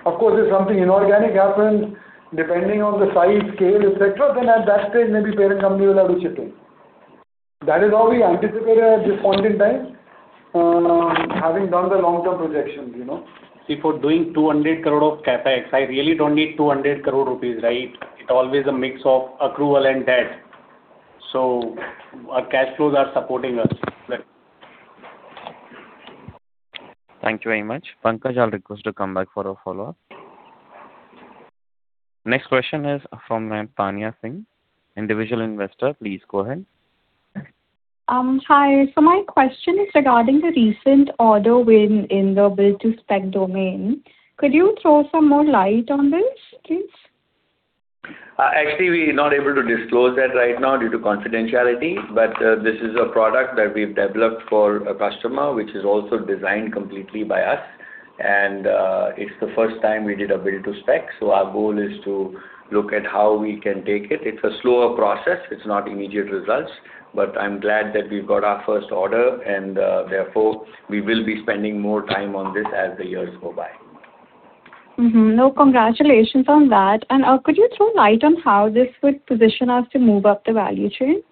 Of course, if something inorganic happens, depending on the size, scale, et cetera, then at that stage maybe parent company will have to chip in. That is how we anticipate at this point in time, having done the long-term projections, you know. For doing 200 crore of CapEx, I really don't need 200 crore rupees, right? It always a mix of accrual and debt. Our cash flows are supporting us. Thank you very much. Pankaj, I will request to come back for a follow-up. Next question is from Ma'am Tanya Singh, Individual Investor. Please go ahead. Hi. My question is regarding the recent order win in the build-to-spec domain. Could you throw some more light on this, please? Actually, we are not able to disclose that right now due to confidentiality, but, this is a product that we've developed for a customer, which is also designed completely by us. It's the first time we did a build-to-spec, so our goal is to look at how we can take it. It's a slower process. It's not immediate results. I'm glad that we've got our first order and, therefore, we will be spending more time on this as the years go by. No, congratulations on that. Could you throw light on how this would position us to move up the value chain?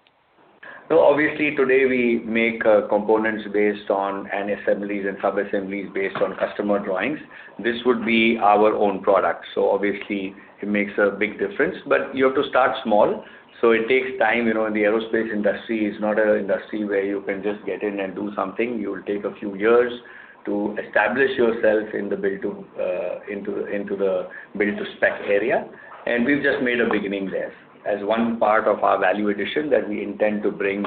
Obviously today we make components based on, and assemblies and subassemblies based on customer drawings. This would be our own product, so obviously it makes a big difference. You have to start small, so it takes time. You know, the aerospace industry is not an industry where you can just get in and do something. You'll take a few years to establish yourself into the build-to-spec area. We've just made a beginning there as one part of our value addition that we intend to bring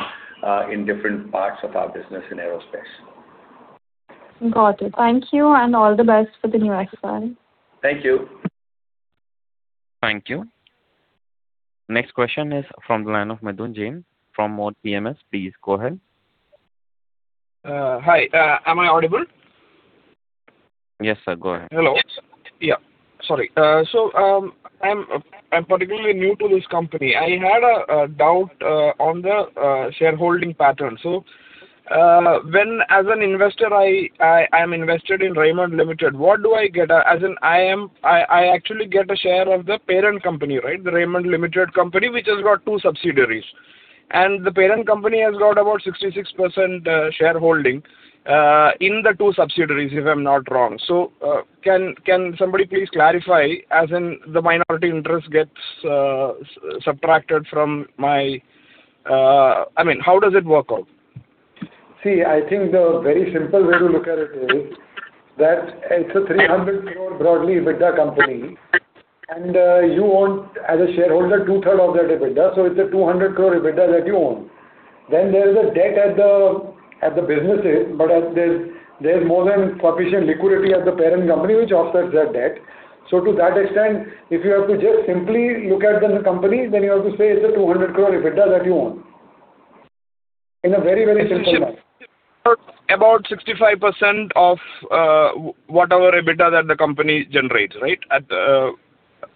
in different parts of our business in aerospace. Got it. Thank you and all the best for the new exercise. Thank you. Thank you. Next question is from the line of Midhun Jain from Moore PMS. Please go ahead. Hi. Am I audible? Yes, sir. Go ahead. Hello. Yes. Sorry. I'm particularly new to this company. I had a doubt on the shareholding pattern. When as an investor I'm invested in Raymond Limited, what do I get? As in I actually get a share of the parent company, right? The Raymond Limited company, which has got two subsidiaries. The parent company has got about 66% shareholding in the two subsidiaries, if I'm not wrong. Can somebody please clarify, as in the minority interest gets subtracted from my, I mean, how does it work out? See, I think the very simple way to look at it is that it's a 300 crore broadly EBITDA company, and you own as a shareholder 2/3 of that EBITDA, so it's a 200 crore EBITDA that you own. There's a debt at the businesses, but as there's more than sufficient liquidity at the parent company which offsets that debt. To that extent, if you have to just simply look at the company, then you have to say it's a 200 crore EBITDA that you own. In a very, very simple way. About 65% of, whatever EBITDA that the company generates, right? 66.3.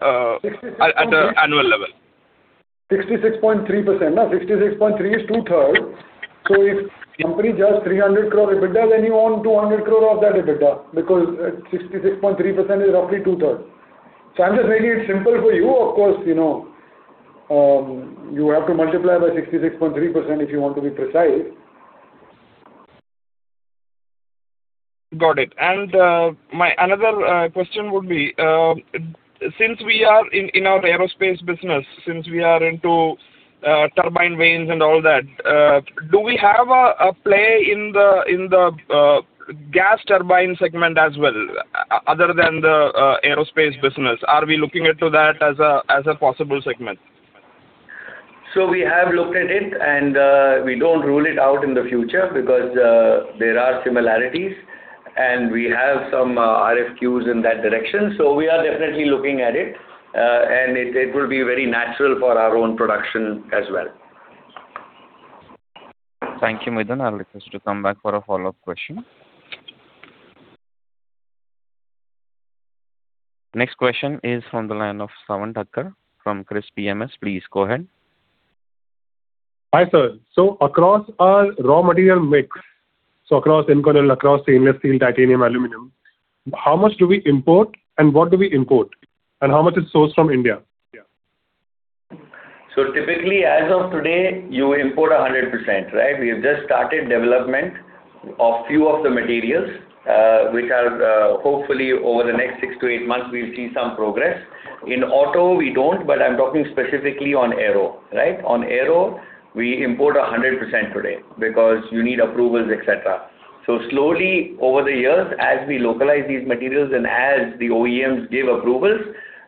At the annual level. 66.3%, no? 66.3% is two-third. If company does 300 crore EBITDA, then you own 200 crore of that EBITDA, because at 66.3% is roughly two-third. I'm just making it simple for you. Of course, you know, you have to multiply by 66.3% if you want to be precise. Got it. My another question would be, since we are in our aerospace business, since we are into, turbine vanes and all that, do we have a play in the gas turbine segment as well, other than the aerospace business? Are we looking into that as a possible segment? We have looked at it, and we don't rule it out in the future because there are similarities. We have some RFQs in that direction. We are definitely looking at it. It will be very natural for our own production as well. Thank you, Midhun. I'll request you to come back for a follow-up question. Next question is from the line of Sawan Thakkar from Chris PMS. Please go ahead. Hi, sir. Across our raw material mix, so across Inconel, across stainless steel, titanium, aluminum, how much do we import and what do we import and how much is sourced from India? Yeah. Typically as of today, you import 100%, right? We have just started development of few of the materials, which are hopefully over the next six to eight months we will see some progress. In auto we don't, but I am talking specifically on aero, right? On aero, we import 100% today because you need approvals, et cetera. Slowly over the years, as we localize these materials and as the OEMs give approvals,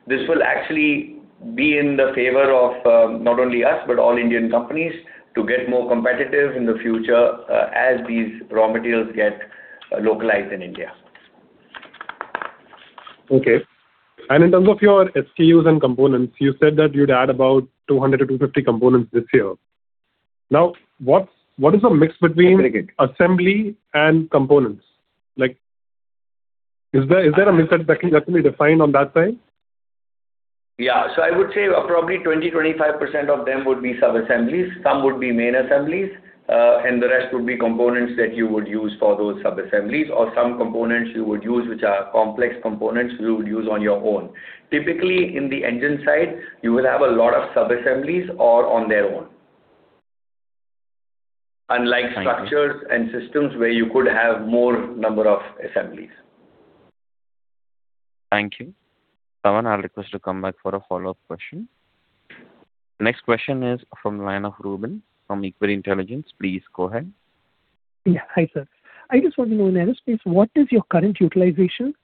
this will actually be in the favor of not only us, but all Indian companies to get more competitive in the future, as these raw materials get localized in India. Okay. In terms of your SKUs and components, you said that you'd add about 200-250 components this year. What is the mix between assembly and components? Like is there a mix that can be defined on that side? Yeah. I would say probably 20%-25% of them would be sub-assemblies. Some would be main assemblies, and the rest would be components that you would use for those sub-assemblies or some components you would use, which are complex components you would use on your own. Typically, in the engine side, you will have a lot of sub-assemblies all on their own. Thank you. Unlike structures and systems where you could have more number of assemblies. Thank you. Sawan, I'll request you to come back for a follow-up question. Next question is from the line of Reuben from Equity Intelligence. Please go ahead. Yeah. Hi, sir. I just want to know, in aerospace, what is your current utilization?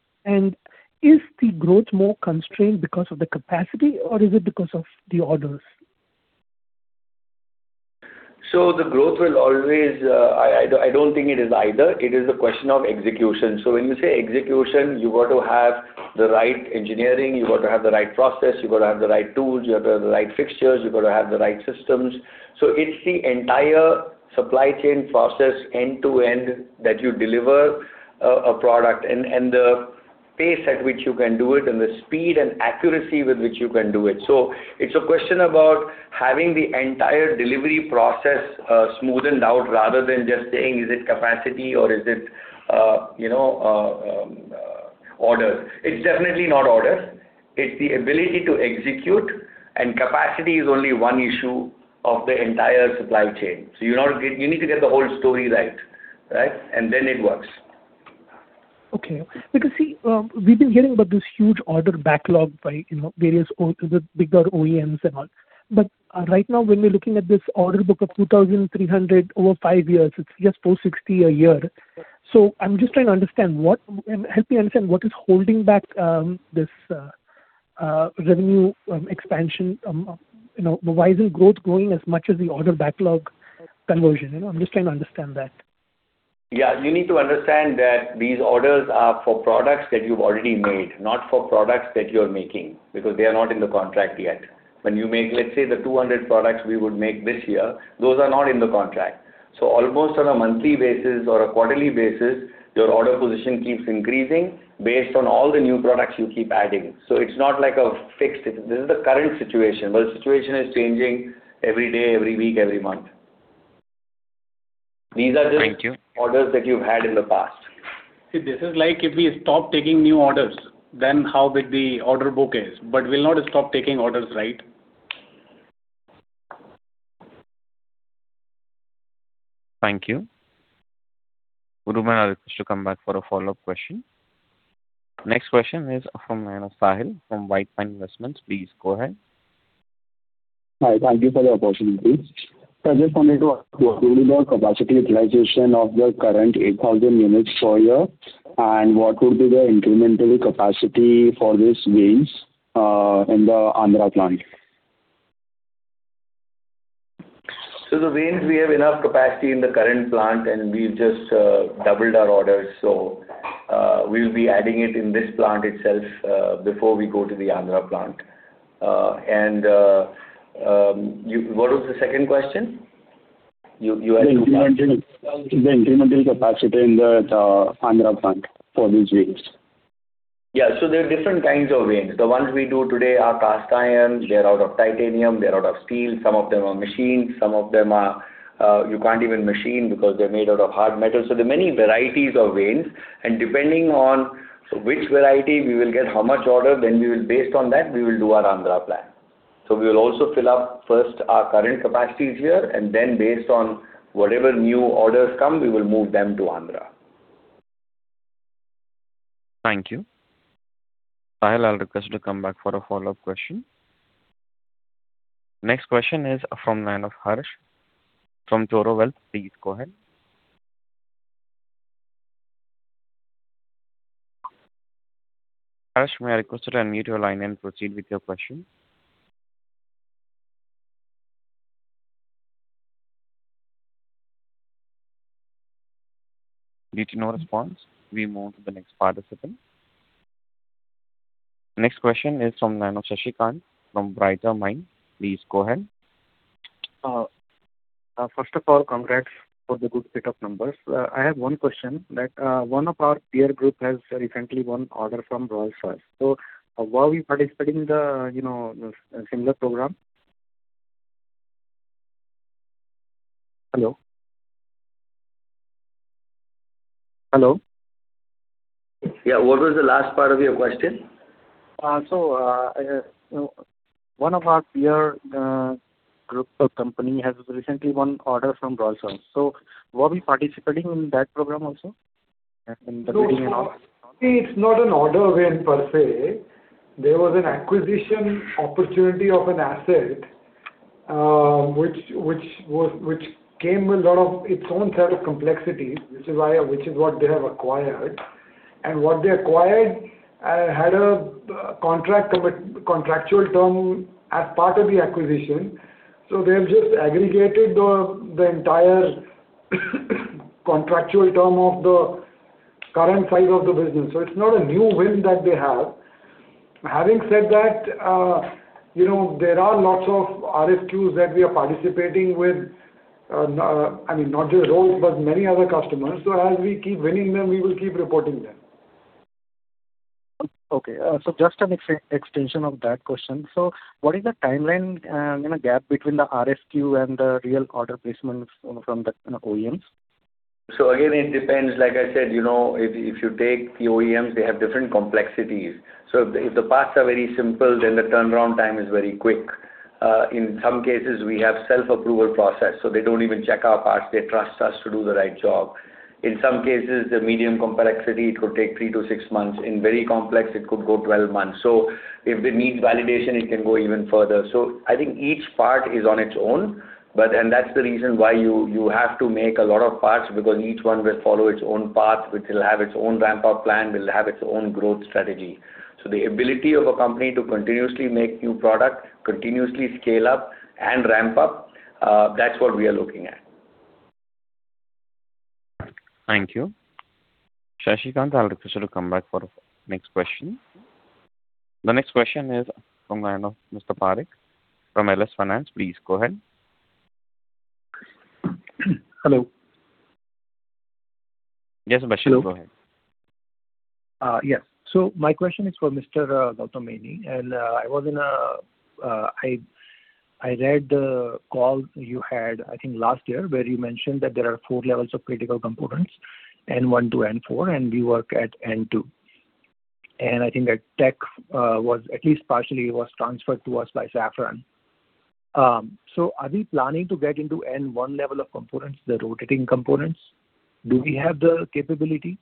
Is the growth more constrained because of the capacity or is it because of the orders? The growth will always, I don't think it is either. It is a question of execution. When you say execution, you got to have the right engineering, you got to have the right process, you got to have the right tools, you have to have the right fixtures, you got to have the right systems. It's the entire supply chain process end to end that you deliver a product and the pace at which you can do it and the speed and accuracy with which you can do it. It's a question about having the entire delivery process, smoothened out rather than just saying is it capacity or is it, you know, orders. It's definitely not orders. It's the ability to execute, and capacity is only one issue of the entire supply chain. You know, you need to get the whole story right? It works. Okay. See, we've been hearing about this huge order backlog by, you know, various, you know, bigger OEMs and all. Right now, when we're looking at this order book of 2,300 over five years, it's just 460 crore a year. Help me understand what is holding back this revenue expansion. You know, why isn't growth growing as much as the order backlog conversion? You know, I'm just trying to understand that. Yeah. You need to understand that these orders are for products that you've already made, not for products that you're making, because they are not in the contract yet. When you make, let's say, the 200 products we would make this year, those are not in the contract. Almost on a monthly basis or a quarterly basis, your order position keeps increasing based on all the new products you keep adding. This is the current situation. The situation is changing every day, every week, every month. Thank you. These are just orders that you've had in the past. This is like if we stop taking new orders, then how big the order book is. We'll not stop taking orders, right? Thank you. Reuben, I'll request you to come back for a follow-up question. Next question is from the line of Sahil from White Pine Investment. Please go ahead. Hi. Thank you for the opportunity. I just wanted to ask, what will be the capacity utilization of the current 8,000 units for a year, and what would be the incremental capacity for this vanes in the Andhra plant? The vanes, we have enough capacity in the current plant, and we've just doubled our orders. We'll be adding it in this plant itself, before we go to the Andhra plant. What was the second question? You asked two parts. The incremental capacity in the Andhra plant for these vanes. There are different kinds of vanes. The ones we do today are cast iron. They're out of titanium, they're out of steel. Some of them are machined, some of them are you can't even machine because they're made out of hard metal. There are many varieties of vanes, and depending on which variety we will get how much order, then we will, based on that, we will do our Andhra plant. We will also fill up first our current capacities here, and then based on whatever new orders come, we will move them to Andhra. Thank you. Sahil, I'll request you to come back for a follow-up question. Next question is from the line of Harsh from Toro Wealth. Please go ahead. Harsh, may I request you to unmute your line and proceed with your question? Due to no response, we move to the next participant. Next question is from Shashi Kant from Brighter Mind. Please go ahead. First of all, congrats for the good set of numbers. I have one question that, one of our peer group has recently won order from Rolls-Royce. Were we participating the, you know, the similar program? Hello? Hello? Yeah. What was the last part of your question? You know, one of our peer group or company has recently won order from Rolls-Royce. Were we participating in that program also and in the bidding and all? No. See, it's not an order win per se. There was an acquisition opportunity of an asset, which came with a lot of its own set of complexities, which is why what they have acquired. What they acquired, had a contractual term as part of the acquisition. They have just aggregated the entire contractual term of the current size of the business. It's not a new win that they have. Having said that, you know, there are lots of RFQs that we are participating with, I mean, not just Rolls-Royce, but many other customers. As we keep winning them, we will keep reporting them. Okay. just an extension of that question. What is the timeline, gap between the RFQ and the real order placements from the OEMs? Again, it depends. Like I said, you know, if you take the OEMs, they have different complexities. If the parts are very simple, then the turnaround time is very quick. In some cases, we have self-approval process, so they don't even check our parts. They trust us to do the right job. In some cases, the medium complexity, it could take three to six months. In very complex, it could go 12 months. If it needs validation, it can go even further. I think each part is on its own, but that's the reason why you have to make a lot of parts because each one will follow its own path, which will have its own ramp-up plan, will have its own growth strategy. The ability of a company to continuously make new product, continuously scale up and ramp up, that's what we are looking at. Thank you. Shashi Kant, I would request you to come back for next question. The next question is from line of Mr. Parekh from LS Finance. Please go ahead. Hello? Yes, Mr. Parekh. Go ahead. Hello. Yes. My question is for Mr. Gautam Maini, I read the call you had, I think, last year, where you mentioned that there are four levels of critical components, N1 to N4, and we work at N2. I think that tech was at least partially transferred to us by Safran. Are we planning to get into N1 level of components, the rotating components? Do we have the capability?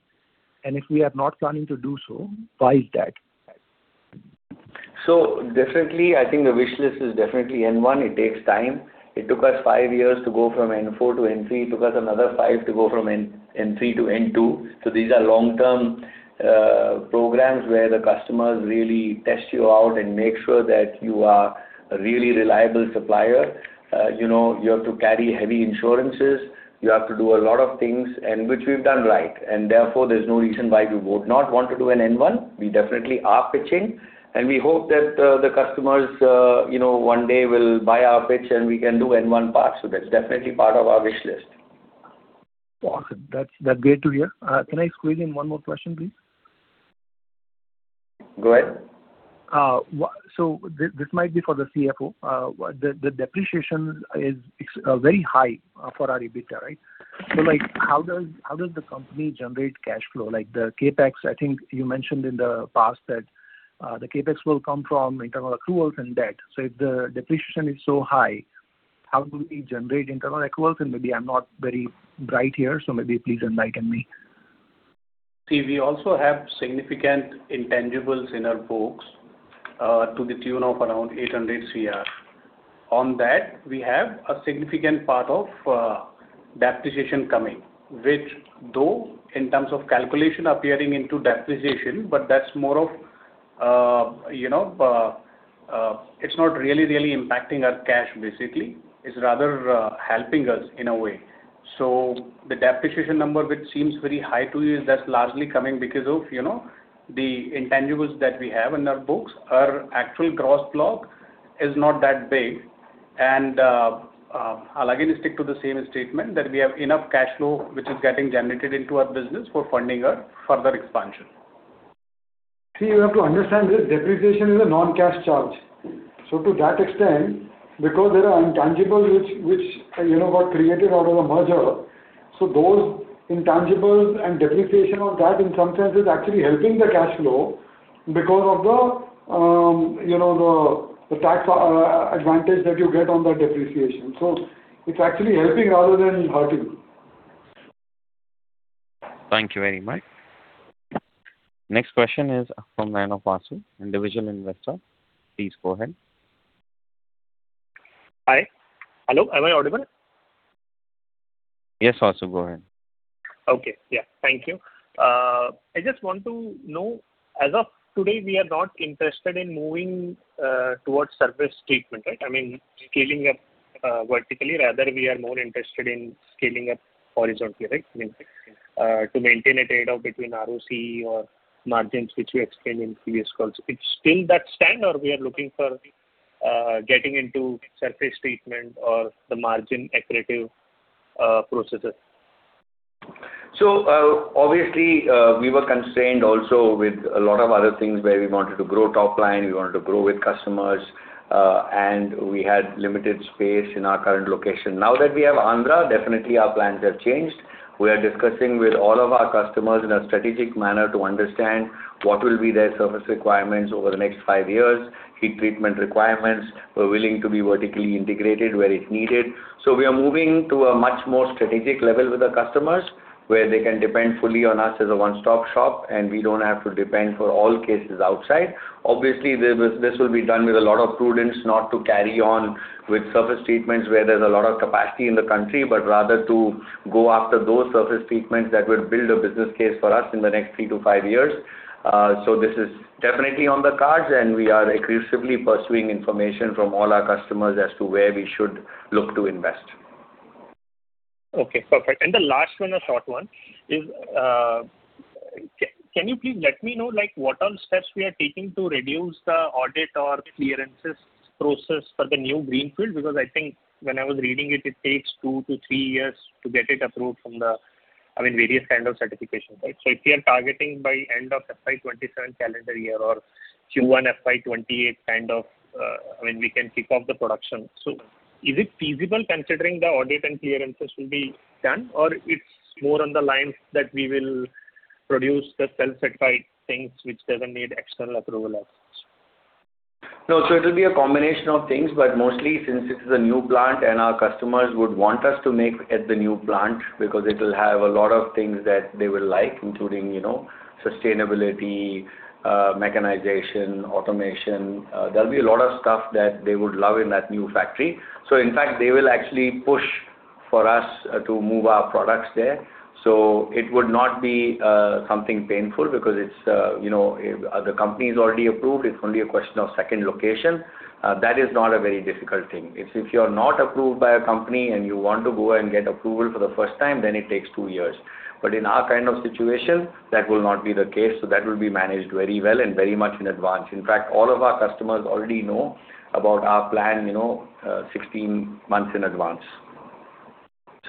If we are not planning to do so, why is that? Definitely, I think the wish list is definitely N1. It takes time. It took us five years to go from N4 to N3. It took us another five to go from N3 to N2. These are long-term programs where the customers really test you out and make sure that you are a really reliable supplier. You know, you have to carry heavy insurances. You have to do a lot of things and which we've done right. Therefore, there's no reason why we would not want to do an N1. We definitely are pitching, and we hope that the customers, you know, one day will buy our pitch and we can do N1 parts. That's definitely part of our wish list. Awesome. That's great to hear. Can I squeeze in one more question, please? Go ahead. This might be for the CFO. The depreciation is very high for our EBITDA, right? Like, how does the company generate cash flow? Like the CapEx, I think you mentioned in the past that the CapEx will come from internal accruals and debt. If the depreciation is so high, how do we generate internal accruals? Maybe I'm not very bright here, so maybe please enlighten me. We also have significant intangibles in our books, to the tune of around 800 crore. On that, we have a significant part of depreciation coming, which though in terms of calculation appearing into depreciation, but that's more of, you know, it's not really impacting our cash basically. It's rather helping us in a way. The depreciation number which seems very high to you, that's largely coming because of, you know, the intangibles that we have in our books. Our actual gross block is not that big. I'll again stick to the same statement that we have enough cash flow which is getting generated into our business for funding our further expansion. You have to understand this, depreciation is a non-cash charge. To that extent, because there are intangibles which, you know, got created out of the merger, so those intangibles and depreciation on that in some sense is actually helping the cash flow because of the, you know, the tax advantage that you get on the depreciation. It's actually helping rather than hurting. Thank you very much. Next question is from line of Vasu, Individual Investor. Please go ahead. Hi. Hello, am I audible? Yes, Vasu, go ahead. Okay. Yeah. Thank you. I just want to know, as of today, we are not interested in moving towards surface treatment, right? I mean, scaling up vertically, rather we are more interested in scaling up horizontally, right? To maintain a trade-off between ROC or margins, which we explained in previous calls. It's still that stand or we are looking for getting into surface treatment or the margin accretive processes? Obviously, we were constrained also with a lot of other things where we wanted to grow top line, we wanted to grow with customers, and we had limited space in our current location. Now that we have Andhra, definitely our plans have changed. We are discussing with all of our customers in a strategic manner to understand what will be their surface requirements over the next five years, heat treatment requirements. We're willing to be vertically integrated where it's needed. We are moving to a much more strategic level with the customers, where they can depend fully on us as a one-stop shop, and we don't have to depend for all cases outside. Obviously, this will be done with a lot of prudence not to carry on with surface treatments where there's a lot of capacity in the country, but rather to go after those surface treatments that would build a business case for us in the next three to five years. This is definitely on the cards, and we are aggressively pursuing information from all our customers as to where we should look to invest. Okay, perfect. The last one, a short one, is, can you please let me know, like, what are the steps we are taking to reduce the audit or clearances process for the new greenfield? I think when I was reading it takes two to three years to get it approved from the, I mean, various kind of certifications, right? If we are targeting by end of FY 2027 calendar year or Q1 FY 2028 kind of, I mean, we can kick off the production. Is it feasible considering the audit and clearances will be done, or it's more on the lines that we will produce the self-certified things which doesn't need external approval as such? No. It will be a combination of things, but mostly since this is a new plant and our customers would want us to make at the new plant because it will have a lot of things that they will like, including, you know, sustainability, mechanization, automation. There will be a lot of stuff that they would love in that new factory. In fact, they will actually push for us to move our products there. It would not be something painful because it's, you know, the company is already approved. It's only a question of second location. That is not a very difficult thing. It's if you're not approved by a company and you want to go and get approval for the first time, then it takes two years. In our kind of situation, that will not be the case. That will be managed very well and very much in advance. In fact, all of our customers already know about our plan, you know, 16 months in advance.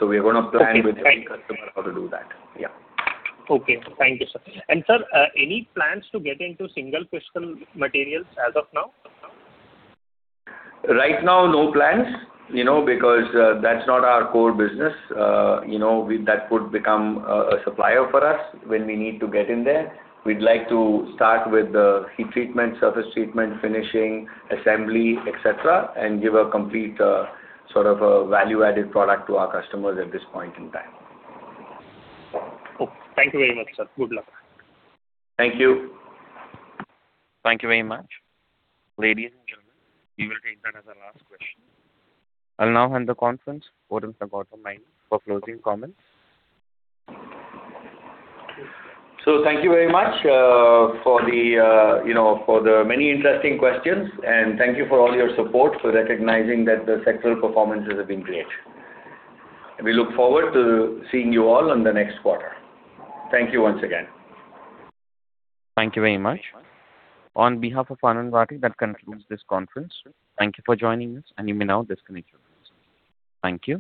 Okay, thank you. with every customer how to do that. Yeah. Okay. Thank you, sir. Sir, any plans to get into single crystal materials as of now? Right now, no plans, you know, because that's not our core business. You know, that could become a supplier for us when we need to get in there. We'd like to start with the heat treatment, surface treatment, finishing, assembly, et cetera, and give a complete sort of a value-added product to our customers at this point in time. Cool. Thank you very much, sir. Good luck. Thank you. Thank you very much. Ladies and gentlemen, we will take that as our last question. I will now hand the conference over to Mr. Gautam Maini for closing comments. Thank you very much, for the, you know, for the many interesting questions, and thank you for all your support for recognizing that the sectoral performance has been great. We look forward to seeing you all in the next quarter. Thank you once again. Thank you very much. On behalf of Anand Rathi, that concludes this conference. Thank you for joining us, and you may now disconnect your lines. Thank you.